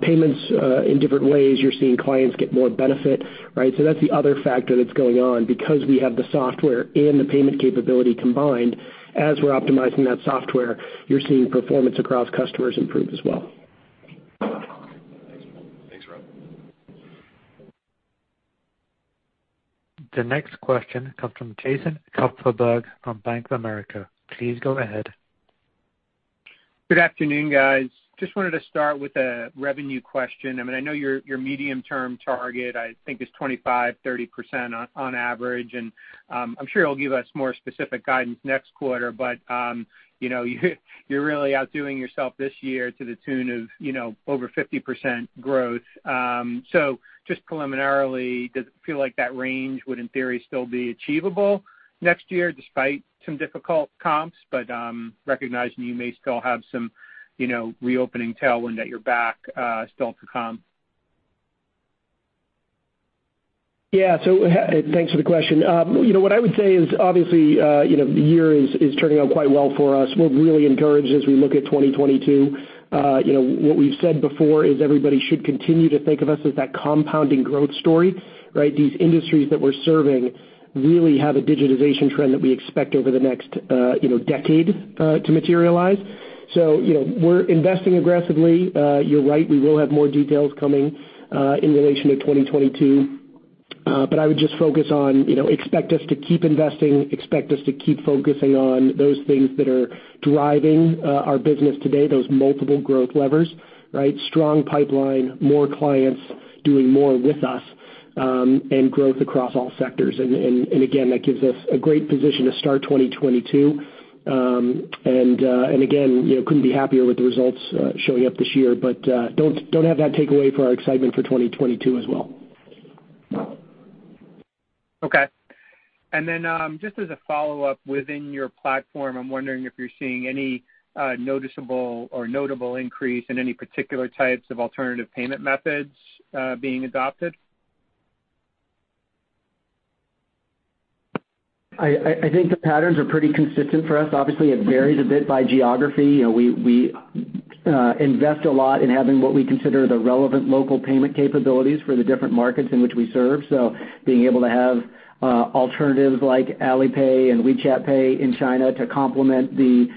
payments in different ways. You're seeing clients get more benefit, right? That's the other factor that's going on because we have the software and the payment capability combined. As we're optimizing that software, you're seeing performance across customers improve as well. Okay. Thanks, Mike. Thanks, Rob. The next question comes from Jason Kupferberg from Bank of America. Please go ahead. Good afternoon, guys. Just wanted to start with a revenue question. I mean, I know your medium-term target, I think, is 25-30% on average. I'm sure you'll give us more specific guidance next quarter. You know, you're really outdoing yourself this year to the tune of, you know, over 50% growth. So just preliminarily, does it feel like that range would, in theory, still be achievable next year despite some difficult comps? Recognizing you may still have some, you know, reopening tailwind at your back, still to come. Thanks for the question. You know, what I would say is obviously the year is turning out quite well for us. We're really encouraged as we look at 2022. You know, what we've said before is everybody should continue to think of us as that compounding growth story, right? These industries that we're serving really have a digitization trend that we expect over the next decade to materialize. You know, we're investing aggressively. You're right, we will have more details coming in relation to 2022. I would just focus on, you know, expect us to keep investing, expect us to keep focusing on those things that are driving our business today, those multiple growth levers, right? Strong pipeline, more clients doing more with us, and growth across all sectors. Again, that gives us a great position to start 2022. Again, you know, couldn't be happier with the results showing up this year. Don't have that take away for our excitement for 2022 as well. Okay. Just as a follow-up, within your platform, I'm wondering if you're seeing any noticeable or notable increase in any particular types of alternative payment methods being adopted? I think the patterns are pretty consistent for us. Obviously, it varies a bit by geography. You know, we invest a lot in having what we consider the relevant local payment capabilities for the different markets in which we serve. Being able to have alternatives like Alipay and WeChat Pay in China to complement the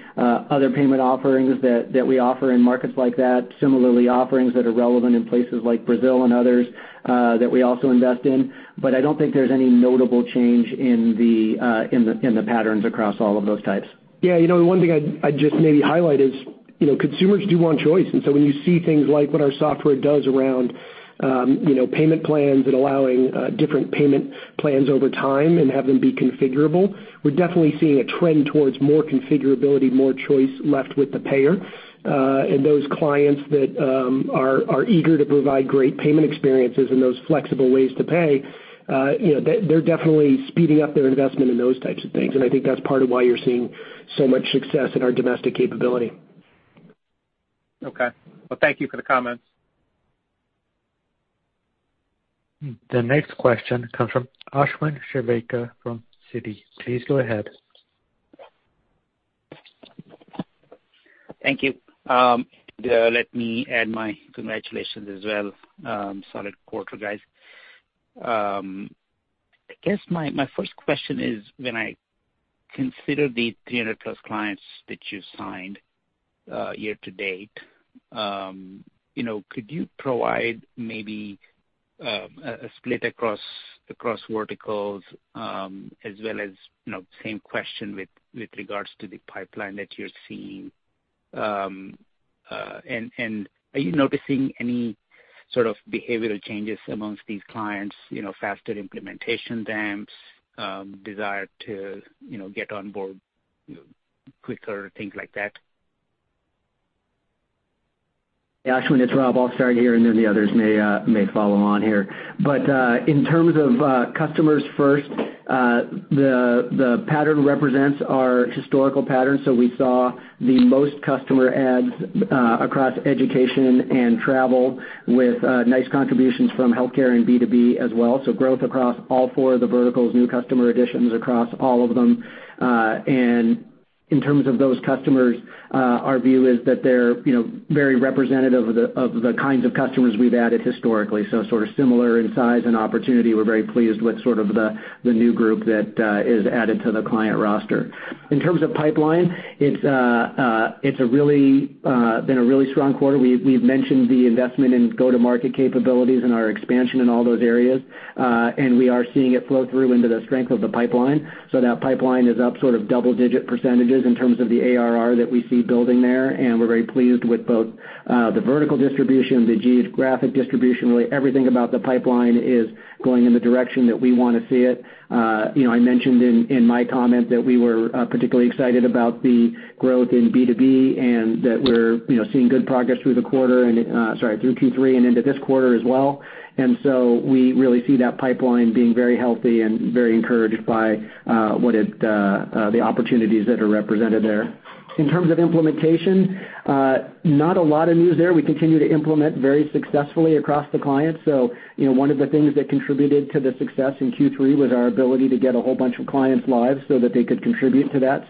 other payment offerings that we offer in markets like that, similarly offerings that are relevant in places like Brazil and others that we also invest in. I don't think there's any notable change in the patterns across all of those types. Yeah. You know, one thing I'd just maybe highlight is, you know, consumers do want choice. When you see things like what our software does around, you know, payment plans and allowing different payment plans over time and have them be configurable, we're definitely seeing a trend towards more configurability, more choice left with the payer. Those clients that are eager to provide great payment experiences and those flexible ways to pay, you know, they're definitely speeding up their investment in those types of things. I think that's part of why you're seeing so much success in our domestic capability. Okay. Well, thank you for the comments. The next question comes from Ashwin Shirvaikar from Citi. Please go ahead. Thank you. Let me add my congratulations as well. Solid quarter, guys. I guess my first question is, when I consider the 300+ clients that you signed year to date, you know, could you provide maybe a split across verticals as well as, you know, same question with regards to the pipeline that you're seeing? Are you noticing any sort of behavioral changes amongst these clients, you know, faster implementation times, desire to, you know, get on board quicker, things like that? Ashwin, it's Rob. I'll start here, and then the others may follow on here. In terms of customers first, the pattern represents our historical pattern. We saw the most customer adds across education and travel with nice contributions from healthcare and B2B as well. Growth across all four of the verticals, new customer additions across all of them. In terms of those customers, our view is that they're, you know, very representative of the kinds of customers we've added historically. Sort of similar in size and opportunity. We're very pleased with the new group that is added to the client roster. In terms of pipeline, it's really been a really strong quarter. We've mentioned the investment in go-to-market capabilities and our expansion in all those areas, and we are seeing it flow through into the strength of the pipeline. That pipeline is up sort of double-digit percentages in terms of the ARR that we see building there. We're very pleased with both the vertical distribution, the geographic distribution, really everything about the pipeline is going in the direction that we wanna see it. You know, I mentioned in my comment that we were particularly excited about the growth in B2B and that we're, you know, seeing good progress through Q3 and into this quarter as well. We really see that pipeline being very healthy and very encouraged by the opportunities that are represented there. In terms of implementation, not a lot of news there. We continue to implement very successfully across the client. You know, one of the things that contributed to the success in Q3 was our ability to get a whole bunch of clients live so that they could contribute to that.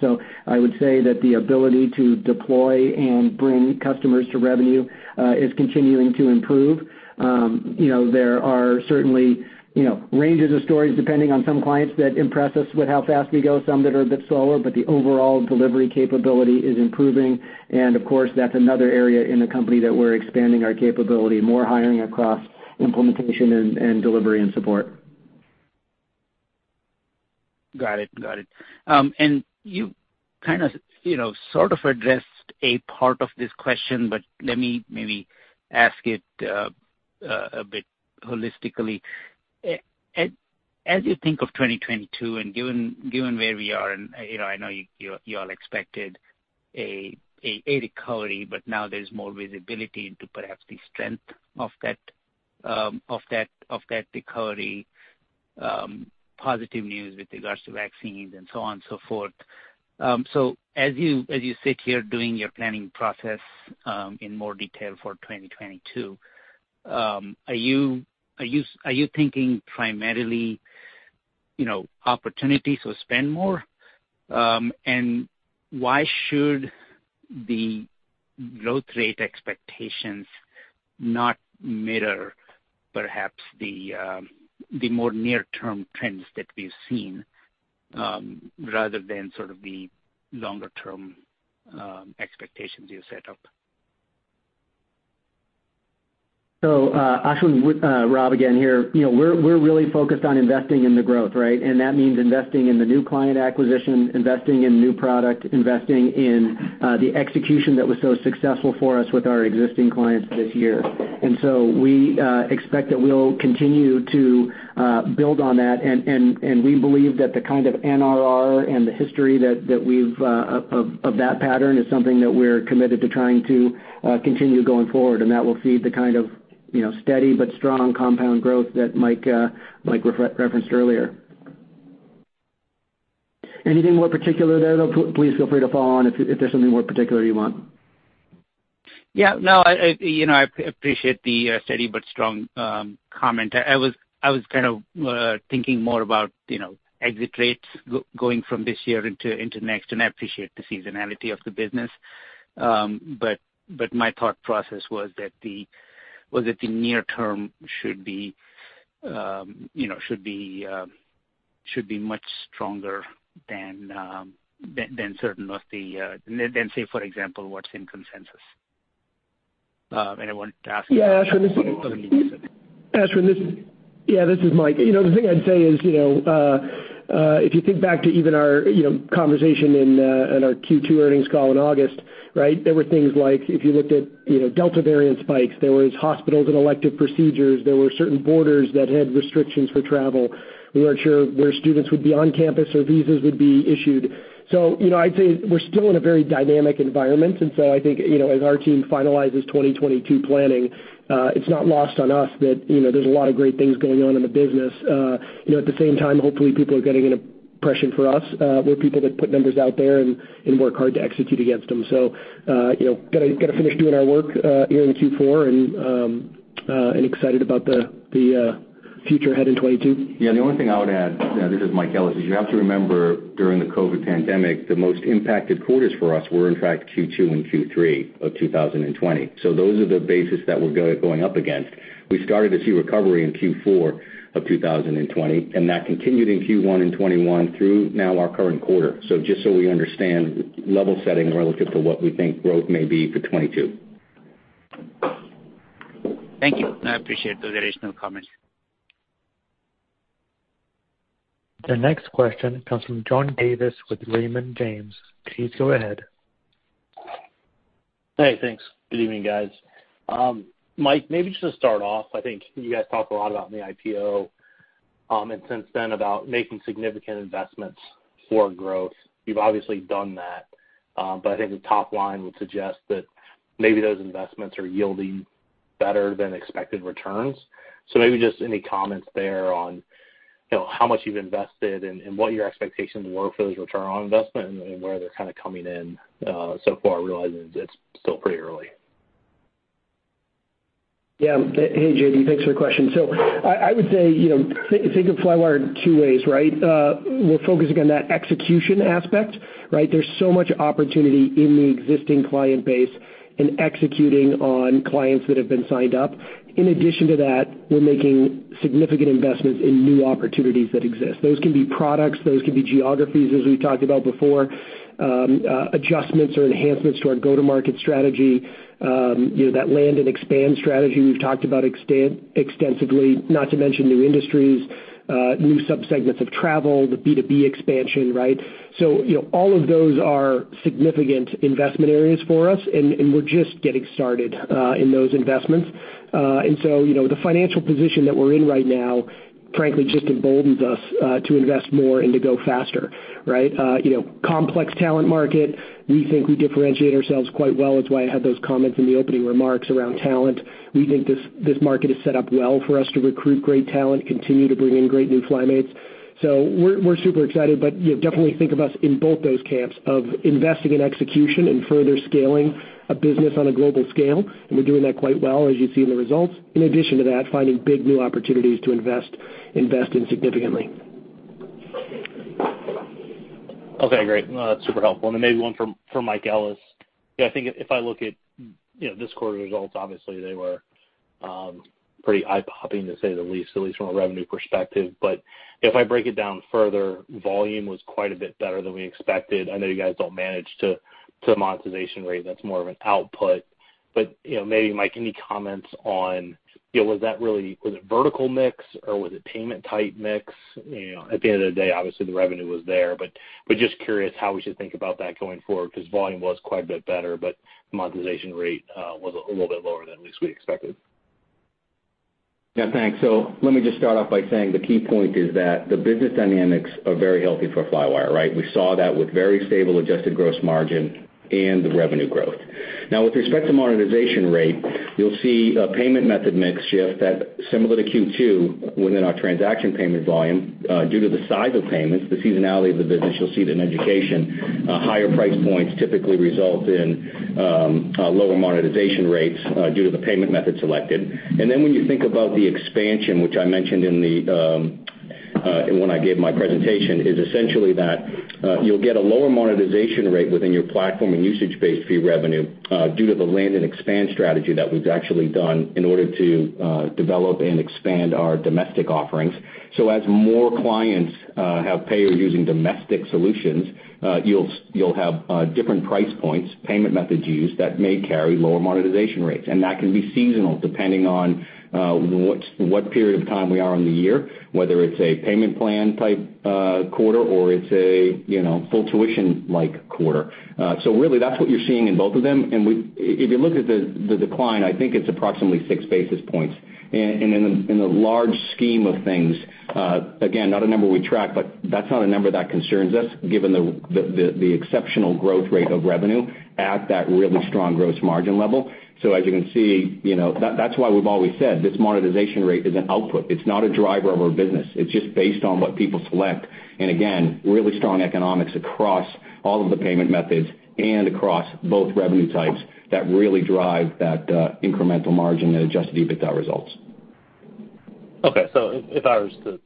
I would say that the ability to deploy and bring customers to revenue is continuing to improve. You know, there are certainly, you know, ranges of stories depending on some clients that impress us with how fast we go, some that are a bit slower, but the overall delivery capability is improving. Of course, that's another area in the company that we're expanding our capability, more hiring across implementation and delivery and support. Got it. You kind of, you know, sort of addressed a part of this question, but let me maybe ask it a bit holistically. As you think of 2022 and given where we are and, you know, I know you all expected a recovery, but now there's more visibility into perhaps the strength of that recovery, positive news with regards to vaccines and so on and so forth. As you sit here doing your planning process in more detail for 2022, are you thinking primarily, you know, opportunities to spend more? Why should the growth rate expectations not mirror perhaps the more near-term trends that we've seen, rather than sort of the longer-term expectations you set up? Ashwin, Rob again here. You know, we're really focused on investing in the growth, right? That means investing in the new client acquisition, investing in new product, investing in the execution that was so successful for us with our existing clients this year. We expect that we'll continue to build on that. We believe that the kind of NRR and the history that we've of that pattern is something that we're committed to trying to continue going forward, and that will feed the kind of, you know, steady but strong compound growth that Mike referenced earlier. Anything more particular there, though, please feel free to follow on if there's something more particular you want. Yeah. No, you know, I appreciate the steady but strong comment. I was kind of thinking more about, you know, exit rates going from this year into next, and I appreciate the seasonality of the business. But my thought process was that the near term should be, you know, much stronger than certain of the, say, for example, what's in consensus. I wanted to ask- Yeah, Ashwin, this is Mike. You know, the thing I'd say is, you know, if you think back to even our, you know, conversation in our Q2 earnings call in August, right? There were things like if you looked at, you know, Delta variant spikes, there were hospitals and elective procedures, there were certain borders that had restrictions for travel. We weren't sure where students would be on campus or visas would be issued. You know, I'd say we're still in a very dynamic environment, and so I think, you know, as our team finalizes 2022 planning, it's not lost on us that, you know, there's a lot of great things going on in the business. You know, at the same time, hopefully, people are getting an impression of us. We're people that put numbers out there and work hard to execute against them. You know, we're gonna finish doing our work here in Q4 and we're excited about the future ahead in 2022. Yeah, the only thing I would add, this is Mike Ellis, is you have to remember during the COVID pandemic, the most impacted quarters for us were in fact Q2 and Q3 of 2020. Those are the basis that we're going up against. We started to see recovery in Q4 of 2020, and that continued in Q1 in 2021 through now our current quarter. Just so we understand level setting relative to what we think growth may be for 2022. Thank you. I appreciate those additional comments. The next question comes from John Davis with Raymond James. Please go ahead. Hey, thanks. Good evening, guys. Mike, maybe just to start off, I think you guys talk a lot about in the IPO and since then about making significant investments for growth. You've obviously done that, but I think the top line would suggest that maybe those investments are yielding better than expected returns. Maybe just any comments there on, you know, how much you've invested and what your expectations were for those return on investment and where they're kind of coming in so far, realizing it's still pretty early. Yeah. Hey, JD, thanks for the question. I would say, you know, think of Flywire in two ways, right? We're focusing on that execution aspect, right? There's so much opportunity in the existing client base and executing on clients that have been signed up. In addition to that, we're making significant investments in new opportunities that exist. Those can be products, those can be geographies, as we've talked about before, adjustments or enhancements to our go-to-market strategy, you know, that land and expand strategy we've talked about extensively, not to mention new industries, new subsegments of travel, the B2B expansion, right? You know, all of those are significant investment areas for us, and we're just getting started in those investments. You know, the financial position that we're in right now, frankly, just emboldens us to invest more and to go faster, right? You know, complex talent market, we think we differentiate ourselves quite well. It's why I had those comments in the opening remarks around talent. We think this market is set up well for us to recruit great talent, continue to bring in great new FlyMates. We're super excited, but you know, definitely think of us in both those camps of investing in execution and further scaling a business on a global scale, and we're doing that quite well, as you see in the results. In addition to that, finding big new opportunities to invest in significantly. Okay, great. That's super helpful. Then maybe one for Mike Ellis. Yeah, I think if I look at, you know, this quarter's results, obviously they were pretty eye-popping, to say the least, at least from a revenue perspective. If I break it down further, volume was quite a bit better than we expected. I know you guys don't manage to monetization rate, that's more of an output. You know, maybe, Mike, any comments on, you know, was that really? Was it vertical mix or was it payment type mix? You know, at the end of the day, obviously the revenue was there, but just curious how we should think about that going forward, 'cause volume was quite a bit better, but the monetization rate was a little bit lower than at least we expected. Yeah, thanks. Let me just start off by saying the key point is that the business dynamics are very healthy for Flywire, right? We saw that with very stable adjusted gross margin and the revenue growth. Now, with respect to monetization rate, you'll see a payment method mix shift that's similar to Q2 within our transaction payment volume, due to the size of payments, the seasonality of the business. You'll see it in education, higher price points typically result in lower monetization rates, due to the payment method selected. When you think about the expansion, which I mentioned in the when I gave my presentation, is essentially that you'll get a lower monetization rate within your platform and usage-based fee revenue due to the land and expand strategy that we've actually done in order to develop and expand our domestic offerings. As more clients have paid or are using domestic solutions, you'll have different price points, payment methods used that may carry lower monetization rates. That can be seasonal depending on what period of time we are in the year, whether it's a payment plan-type quarter or it's a you know full tuition-like quarter. Really that's what you're seeing in both of them. If you look at the decline, I think it's approximately six basis points. In the large scheme of things, again, not a number we track, but that's not a number that concerns us given the exceptional growth rate of revenue at that really strong gross margin level. As you can see, you know, that's why we've always said this monetization rate is an output. It's not a driver of our business. It's just based on what people select. Again, really strong economics across all of the payment methods and across both revenue types that really drive that incremental margin and Adjusted EBITDA results. Okay. If I was to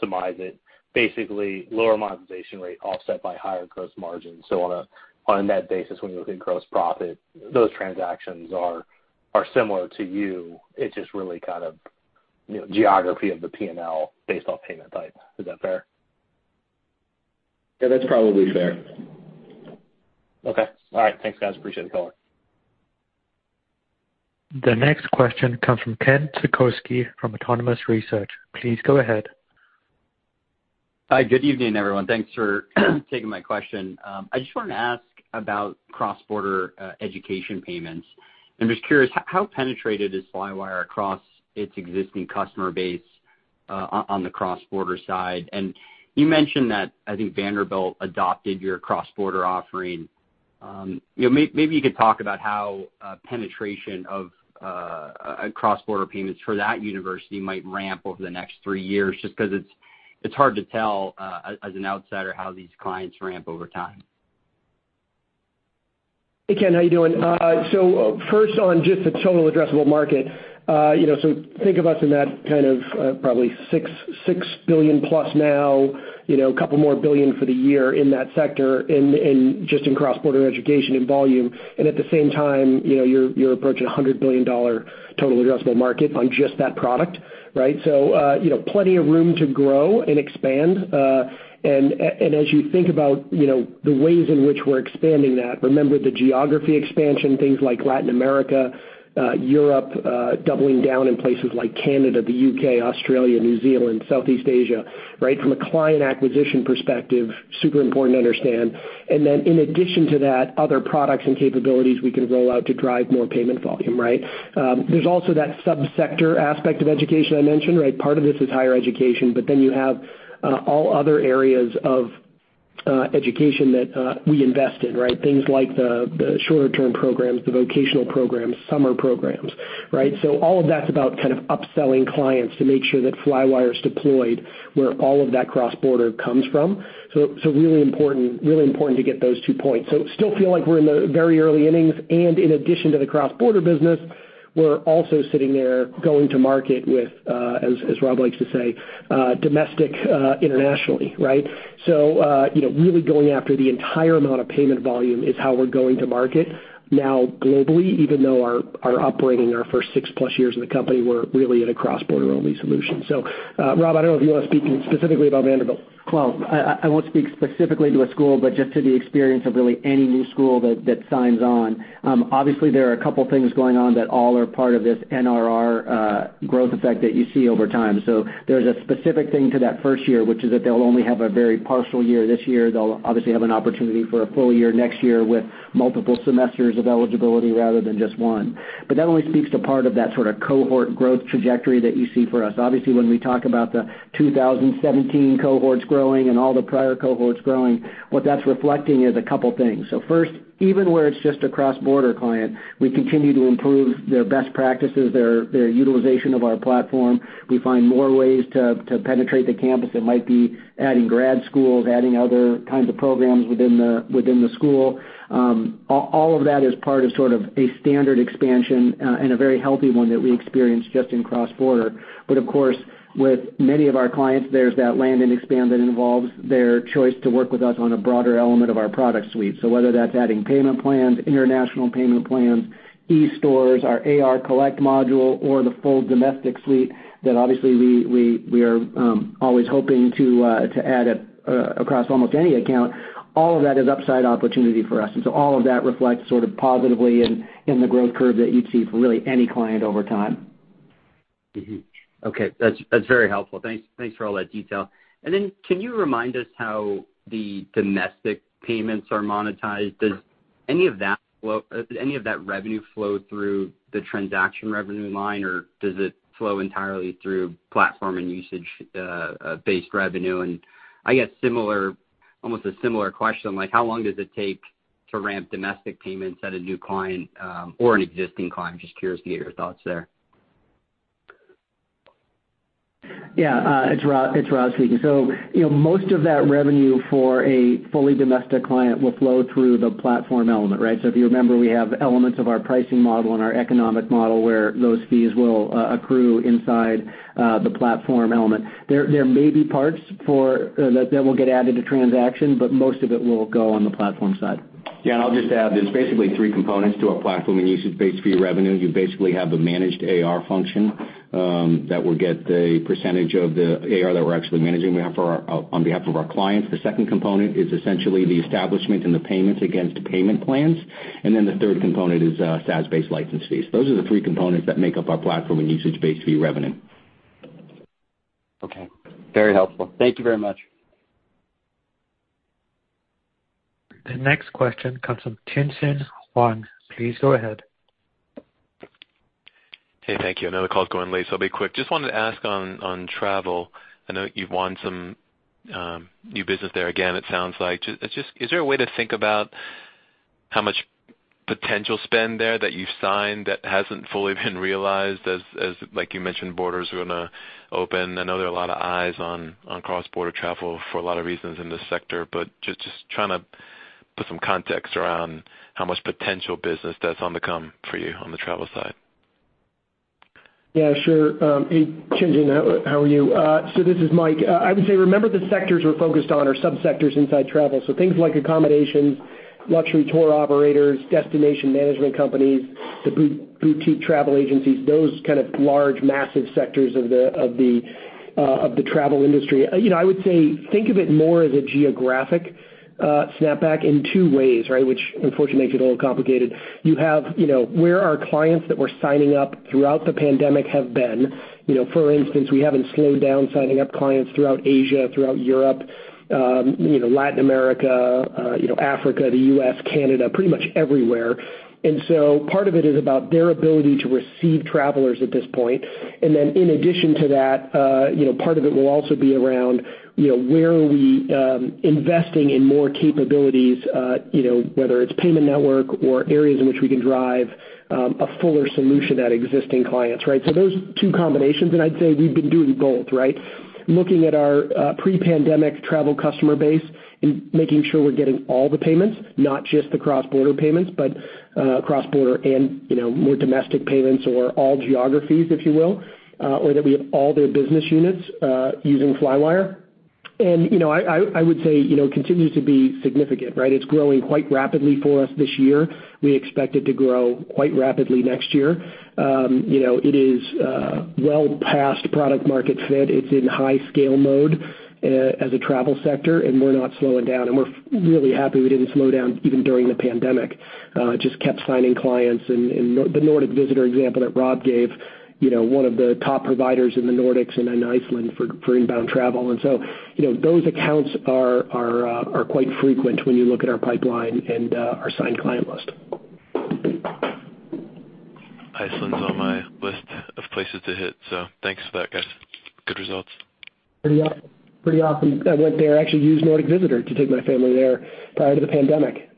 surmise it, basically lower monetization rate offset by higher gross margin. On a net basis, when you look at gross profit, those transactions are similar to you. It's just really kind of, you know, geography of the P&L based off payment type. Is that fair? Yeah, that's probably fair. Okay. All right. Thanks guys, appreciate the call. The next question comes from Ken Suchoski from Autonomous Research. Please go ahead. Hi, good evening, everyone. Thanks for taking my question. I just wanted to ask about cross-border education payments. I'm just curious, how penetrated is Flywire across its existing customer base on the cross-border side? And you mentioned that I think Vanderbilt adopted your cross-border offering. You know, maybe you could talk about how penetration of a cross-border payments for that university might ramp over the next three years, just because it's hard to tell as an outsider how these clients ramp over time. Hey, Ken, how you doing? First on just the total addressable market. You know, think of us in that kind of probably $6 billion-plus now, you know, a couple more billion for the year in that sector in just cross-border education and volume. At the same time, you know, you're approaching a $100 billion total addressable market on just that product, right? You know, plenty of room to grow and expand. As you think about, you know, the ways in which we're expanding that, remember the geography expansion, things like Latin America, Europe, doubling down in places like Canada, the U.K., Australia, New Zealand, Southeast Asia, right? From a client acquisition perspective, super important to understand. In addition to that, other products and capabilities we can roll out to drive more payment volume, right? There's also that subsector aspect of education I mentioned, right? Part of this is higher education, but then you have all other areas of education that we invest in, right? Things like the shorter term programs, the vocational programs, summer programs, right? All of that's about kind of upselling clients to make sure that Flywire's deployed where all of that cross-border comes from. Really important to get those two points. Still feel like we're in the very early innings, and in addition to the cross-border business, we're also sitting there going to market with, as Rob likes to say, domestic internationally, right? You know, really going after the entire amount of payment volume is how we're going to market now globally, even though our upbringing, our first six-plus years in the company were really at a cross-border only solution. Rob, I don't know if you wanna speak specifically about Vanderbilt. Well, I won't speak specifically to a school, but just to the experience of really any new school that signs on. Obviously there are a couple things going on that all are part of this NRR growth effect that you see over time. There's a specific thing to that first year, which is that they'll only have a very partial year this year. They'll obviously have an opportunity for a full year next year with multiple semesters of eligibility rather than just one. That only speaks to part of that sort of cohort growth trajectory that you see for us. Obviously, when we talk about the 2017 cohorts growing and all the prior cohorts growing, what that's reflecting is a couple things. First, even where it's just a cross-border client, we continue to improve their best practices, their utilization of our platform. We find more ways to penetrate the campus. It might be adding grad schools, adding other kinds of programs within the school. All of that is part of sort of a standard expansion, and a very healthy one that we experience just in cross-border. But of course, with many of our clients, there's that land and expand that involves their choice to work with us on a broader element of our product suite. Whether that's adding payment plans, international payment plans, e-stores, our AR Collect module or the full domestic suite that obviously we are always hoping to add across almost any account, all of that is upside opportunity for us. All of that reflects sort of positively in the growth curve that you'd see for really any client over time. Mm-hmm. Okay. That's very helpful. Thanks for all that detail. Then can you remind us how the domestic payments are monetized? Does any of that revenue flow through the transaction revenue line, or does it flow entirely through platform and usage based revenue? I guess similar, almost a similar question, like how long does it take to ramp domestic payments at a new client, or an existing client? Just curious to get your thoughts there. Yeah. It's Rob speaking. You know, most of that revenue for a fully domestic client will flow through the platform element, right? If you remember, we have elements of our pricing model and our economic model where those fees will accrue inside the platform element. There may be parts that will get added to transaction, but most of it will go on the platform side. Yeah, I'll just add, there's basically three components to our platform and usage-based fee revenue. You basically have the managed AR function that will get the percentage of the AR that we're actually managing, we have for our clients, on behalf of our clients. The second component is essentially the establishment and the payments against payment plans. The third component is SaaS-based license fees. Those are the three components that make up our platform and usage-based fee revenue. Okay. Very helpful. Thank you very much. The next question comes from Tien-tsin Huang. Please go ahead. Hey, thank you. I know the call's going late, so I'll be quick. Just wanted to ask on travel. I know you've won some new business there again, it sounds like. Just, is there a way to think about how much potential spend there that you've signed that hasn't fully been realized as like you mentioned, borders are gonna open? I know there are a lot of eyes on cross-border travel for a lot of reasons in this sector, but just trying to Put some context around how much potential business that's on the come for you on the travel side? Yeah, sure. Hey, Tien-Tsin Huang, how are you? This is Mike. I would say, remember the sectors we're focused on are subsectors inside travel. Things like accommodation, luxury tour operators, destination management companies, the boutique travel agencies, those kind of large, massive sectors of the travel industry. You know, I would say think of it more as a geographic snapback in two ways, right? Which unfortunately makes it a little complicated. You have, you know, where are clients that we're signing up throughout the pandemic have been. You know, for instance, we haven't slowed down signing up clients throughout Asia, throughout Europe, you know, Latin America, you know, Africa, the U.S., Canada, pretty much everywhere. Part of it is about their ability to receive travelers at this point. Then in addition to that, you know, part of it will also be around, you know, where are we investing in more capabilities, you know, whether it's payment network or areas in which we can drive a fuller solution at existing clients, right? Those two combinations, and I'd say we've been doing both, right? Looking at our pre-pandemic travel customer base and making sure we're getting all the payments, not just the cross-border payments, but cross-border and, you know, more domestic payments or all geographies, if you will. Or that we have all their business units using Flywire. You know, I would say, you know, continues to be significant, right? It's growing quite rapidly for us this year. We expect it to grow quite rapidly next year. You know, it is well past product market fit. It's in high scale mode in the travel sector, and we're not slowing down. We're really happy we didn't slow down even during the pandemic. Just kept signing clients. The Nordic Visitor example that Rob gave, you know, one of the top providers in the Nordics and in Iceland for inbound travel. You know, those accounts are quite frequent when you look at our pipeline and our signed client list. Iceland's on my list of places to hit, so thanks for that, guys. Good results. Pretty often I went there, I actually used Nordic Visitor to take my family there prior to the pandemic.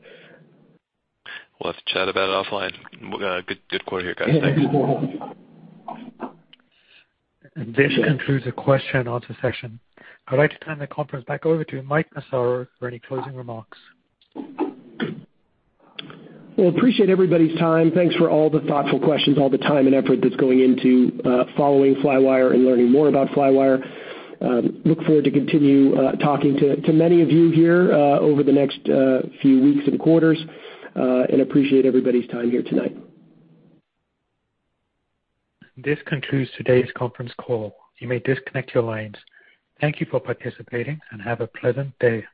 We'll have to chat about it offline. Good, good quarter here, guys. Thanks. This concludes the question and answer session. I'd like to turn the conference back over to Mike Massaro for any closing remarks. Well, appreciate everybody's time. Thanks for all the thoughtful questions, all the time and effort that's going into following Flywire and learning more about Flywire. Look forward to continue talking to many of you here over the next few weeks and quarters. Appreciate everybody's time here tonight. This concludes today's conference call. You may disconnect your lines. Thank you for participating and have a pleasant day.